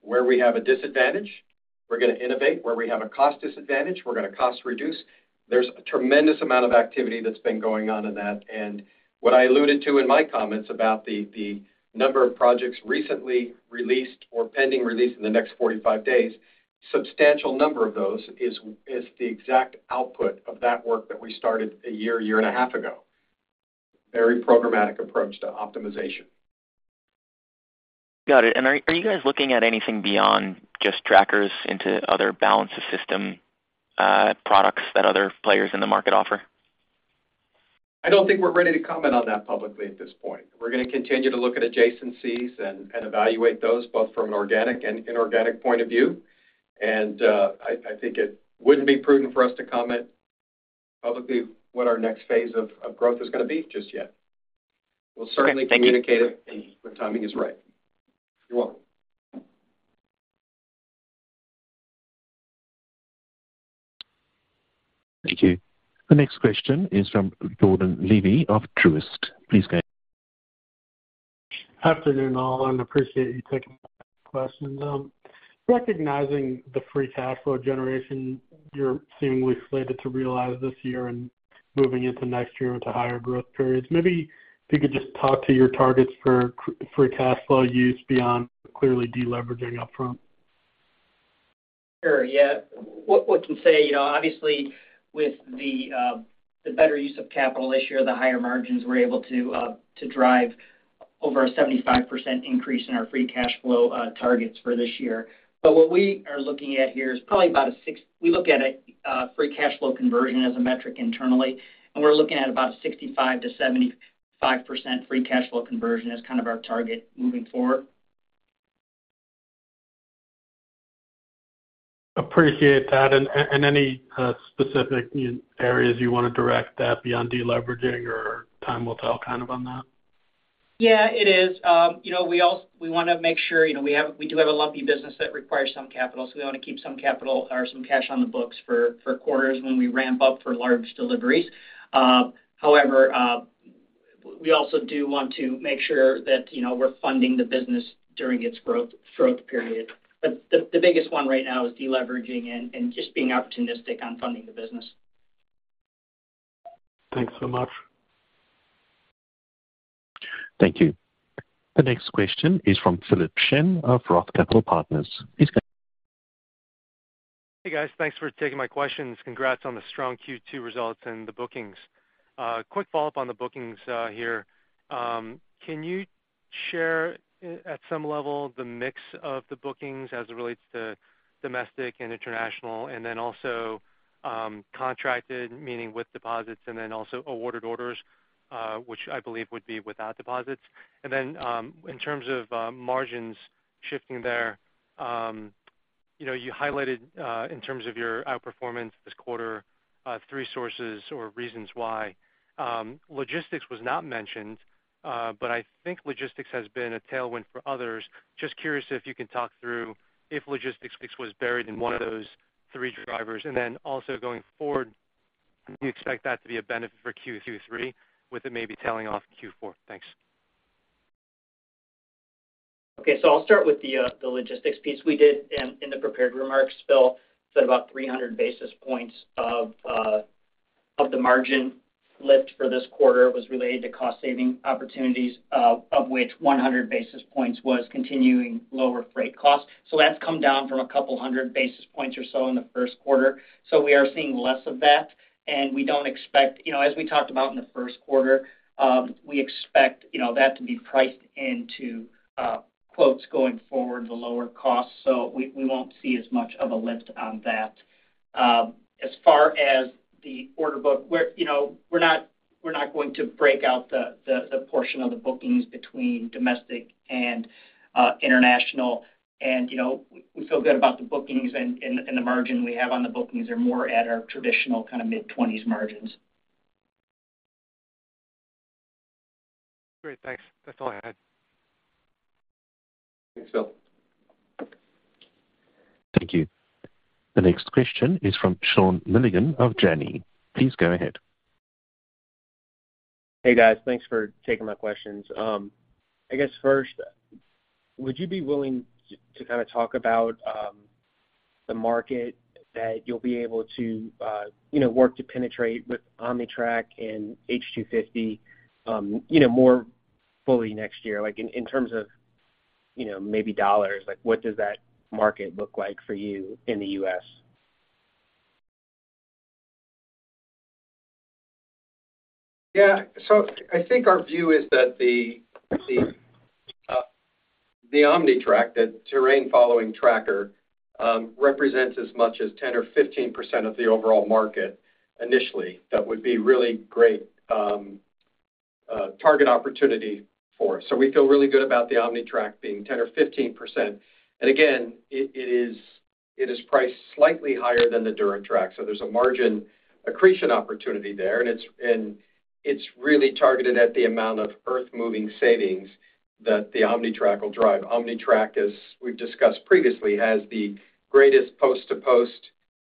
Where we have a disadvantage, we're gonna innovate. Where we have a cost disadvantage, we're gonna cost reduce. There's a tremendous amount of activity that's been going on in that, and what I alluded to in my comments about the, the number of projects recently released or pending release in the next 45 days, substantial number of those is, is the exact output of that work that we started a year, year and a half ago. Very programmatic approach to optimization. Got it. Are you guys looking at anything beyond just trackers into other balances system, products that other players in the market offer? I don't think we're ready to comment on that publicly at this point. We're gonna continue to look at adjacencies and evaluate those, both from an organic and inorganic point of view. I think it wouldn't be prudent for us to comment publicly what our next phase of growth is gonna be just yet. Okay, thank you. We'll certainly communicate it when timing is right. You're welcome. Thank you. The next question is from Jordan Levy of Truist. Please go ahead. Afternoon, all. Appreciate you taking my questions. Recognizing the free cash flow generation you're seemingly slated to realize this year and moving into next year into higher growth periods, maybe if you could just talk to your targets for free cash flow use beyond clearly deleveraging up front. Sure, yeah. What we can say, you know, obviously, with the better use of capital this year, the higher margins, we're able to drive over a 75% increase in our free cash flow targets for this year. We look at a free cash flow conversion as a metric internally, and we're looking at about 65%-75% free cash flow conversion as kind of our target moving forward. Appreciate that. And, and any specific areas you want to direct that beyond deleveraging, or time will tell kind of on that? Yeah, it is. You know, we want to make sure, you know, we do have a lumpy business that requires some capital, so we want to keep some capital or some cash on the books for, for quarters when we ramp up for large deliveries. However, we also do want to make sure that, you know, we're funding the business during its growth, growth period. The, the biggest one right now is deleveraging and, and just being opportunistic on funding the business. Thanks so much. Thank you. The next question is from Philip Shen of Roth Capital Partners. Please. Hey, guys. Thanks for taking my questions. Congrats on the strong Q2 results and the bookings. Quick follow-up on the bookings here. Can you share, at some level, the mix of the bookings as it relates to domestic and international, and then also, contracted, meaning with deposits, and then also awarded orders, which I believe would be without deposits? Then, in terms of margins shifting there, you know, you highlighted, in terms of your outperformance this quarter, three sources or reasons why. Logistics was not mentioned, but I think logistics has been a tailwind for others. Just curious if you can talk through if logistics was buried in one of those three drivers. Also going forward, do you expect that to be a benefit for Q3, with it maybe tailing off Q4? Thanks. I'll start with the logistics piece. We did in, in the prepared remarks, Philip, said about 300 basis points of the margin lift for this quarter was related to cost-saving opportunities, of which 100 basis points was continuing lower freight costs. That's come down from a couple hundred basis points or so in the first quarter. We are seeing less of that, and we don't expect-- You know, as we talked about in the first quarter, we expect, you know, that to be priced into quotes going forward, the lower cost, so we, we won't see as much of a lift on that. As far as the order book, we're, you know, we're not, we're not going to break out the portion of the bookings between domestic and international. You know, we feel good about the bookings and, and, and the margin we have on the bookings are more at our traditional kind of mid-20s margins. Great, thanks. That's all I had. Thanks, Phil. Thank you. The next question is from Sean Milligan of Janney. Please go ahead. Hey, guys. Thanks for taking my questions. I guess first, would you be willing to kind of talk about? The market that you'll be able to, you know, work to penetrate with OmniTrack and H250, you know, more fully next year? Like, in, in terms of, you know, maybe dollars, like, what does that market look like for you in the U.S.? Yeah. I think our view is that the, the, the OmniTrack, the terrain following tracker, represents as much as 10% or 15% of the overall market initially. That would be really great target opportunity for us. We feel really good about the OmniTrack being 10% or 15%. Again, it, it is, it is priced slightly higher than the DuraTrack, so there's a margin accretion opportunity there. And it's really targeted at the amount of earth-moving savings that the OmniTrack will drive. OmniTrack, as we've discussed previously, has the greatest post-to-post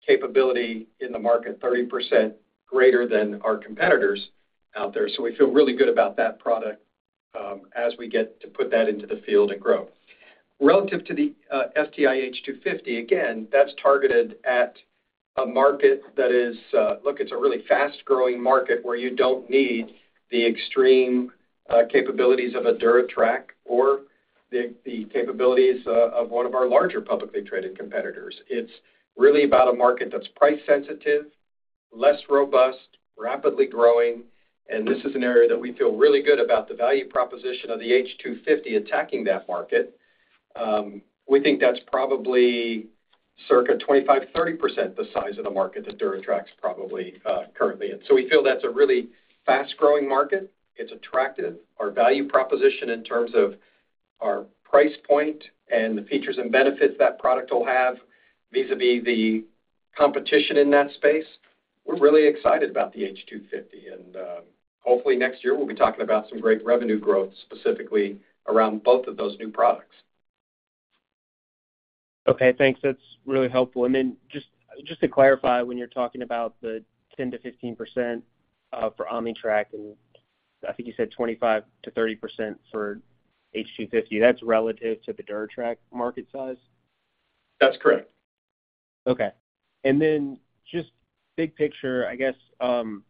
capability in the market, 30% greater than our competitors out there. We feel really good about that product, as we get to put that into the field and grow. Relative to the STI H250, again, that's targeted at a market that is. Look, it's a really fast-growing market where you don't need the extreme capabilities of a DuraTrack or the, the capabilities of one of our larger publicly traded competitors. It's really about a market that's price sensitive, less robust, rapidly growing, and this is an area that we feel really good about the value proposition of the H250 attacking that market. We think that's probably circa 25-30% the size of the market that DuraTrack's probably currently in. We feel that's a really fast-growing market. It's attractive. Our value proposition in terms of our price point and the features and benefits that product will have vis-a-vis the competition in that space, we're really excited about the H250, and hopefully next year we'll be talking about some great revenue growth, specifically around both of those new products. Okay, thanks. That's really helpful. Just, just to clarify, when you're talking about the 10%-15%, for OmniTrack, and I think you said 25%-30% for STI H250, that's relative to the DuraTrack market size? That's correct. Okay. Then just big picture, I guess, trying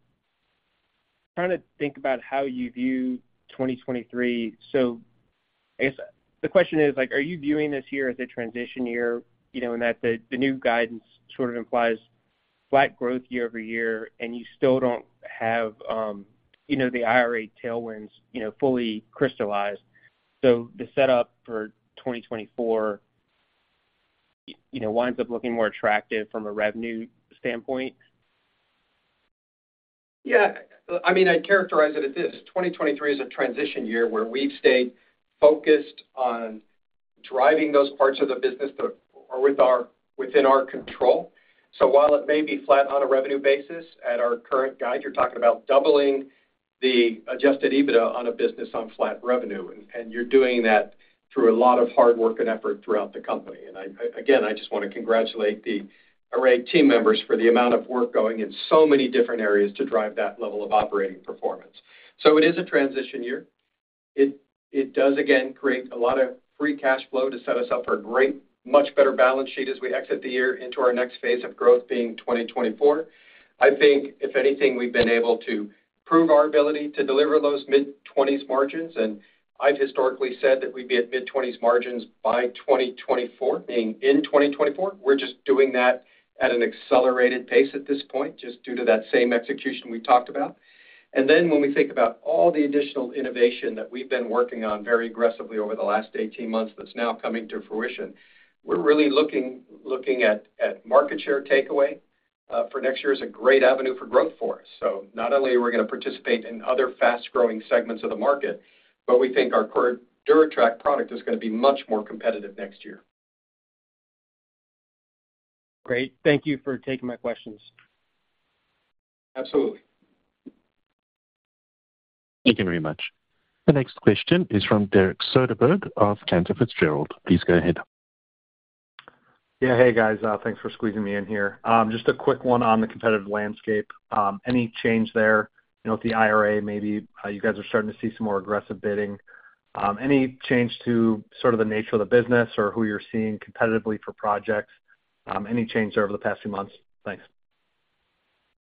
to think about how you view 2023. I guess the question is, like, are you viewing this year as a transition year, you know, in that the, the new guidance sort of implies flat growth year-over-year, and you still don't have, you know, the IRA tailwinds, you know, fully crystallized? The setup for 2024, you know, winds up looking more attractive from a revenue standpoint. Yeah. I mean, I'd characterize it as this: 2023 is a transition year where we've stayed focused on driving those parts of the business that are within our control. While it may be flat on a revenue basis at our current guide, you're talking about doubling the Adjusted EBITDA on a business on flat revenue, and you're doing that through a lot of hard work and effort throughout the company. I again, I just wanna congratulate the Array team members for the amount of work going in so many different areas to drive that level of operating performance. It is a transition year. It does again create a lot of free cash flow to set us up for a great, much better balance sheet as we exit the year into our next phase of growth being 2024. I think if anything, we've been able to prove our ability to deliver those mid-20s margins, I've historically said that we'd be at mid-20s margins by 2024, being in 2024. We're just doing that at an accelerated pace at this point, just due to that same execution we talked about. When we think about all the additional innovation that we've been working on very aggressively over the last 18 months, that's now coming to fruition, we're really looking, looking at, at market share takeaway for next year is a great avenue for growth for us. Not only are we gonna participate in other fast-growing segments of the market, but we think our current DuraTrack product is gonna be much more competitive next year. Great. Thank you for taking my questions. Absolutely. Thank you very much. The next question is from Derek Soderberg of Cantor Fitzgerald. Please go ahead. Yeah. Hey, guys, thanks for squeezing me in here. Just a quick one on the competitive landscape. Any change there, you know, with the IRA, maybe, you guys are starting to see some more aggressive bidding? Any change to sort of the nature of the business or who you're seeing competitively for projects? Any change there over the past few months? Thanks.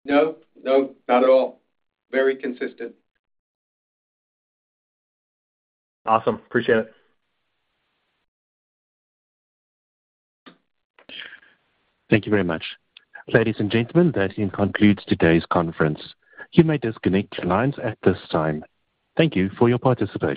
No, no, not at all. Very consistent. Awesome. Appreciate it. Thank you very much. Ladies and gentlemen, that concludes today's conference. You may disconnect your lines at this time. Thank you for your participation.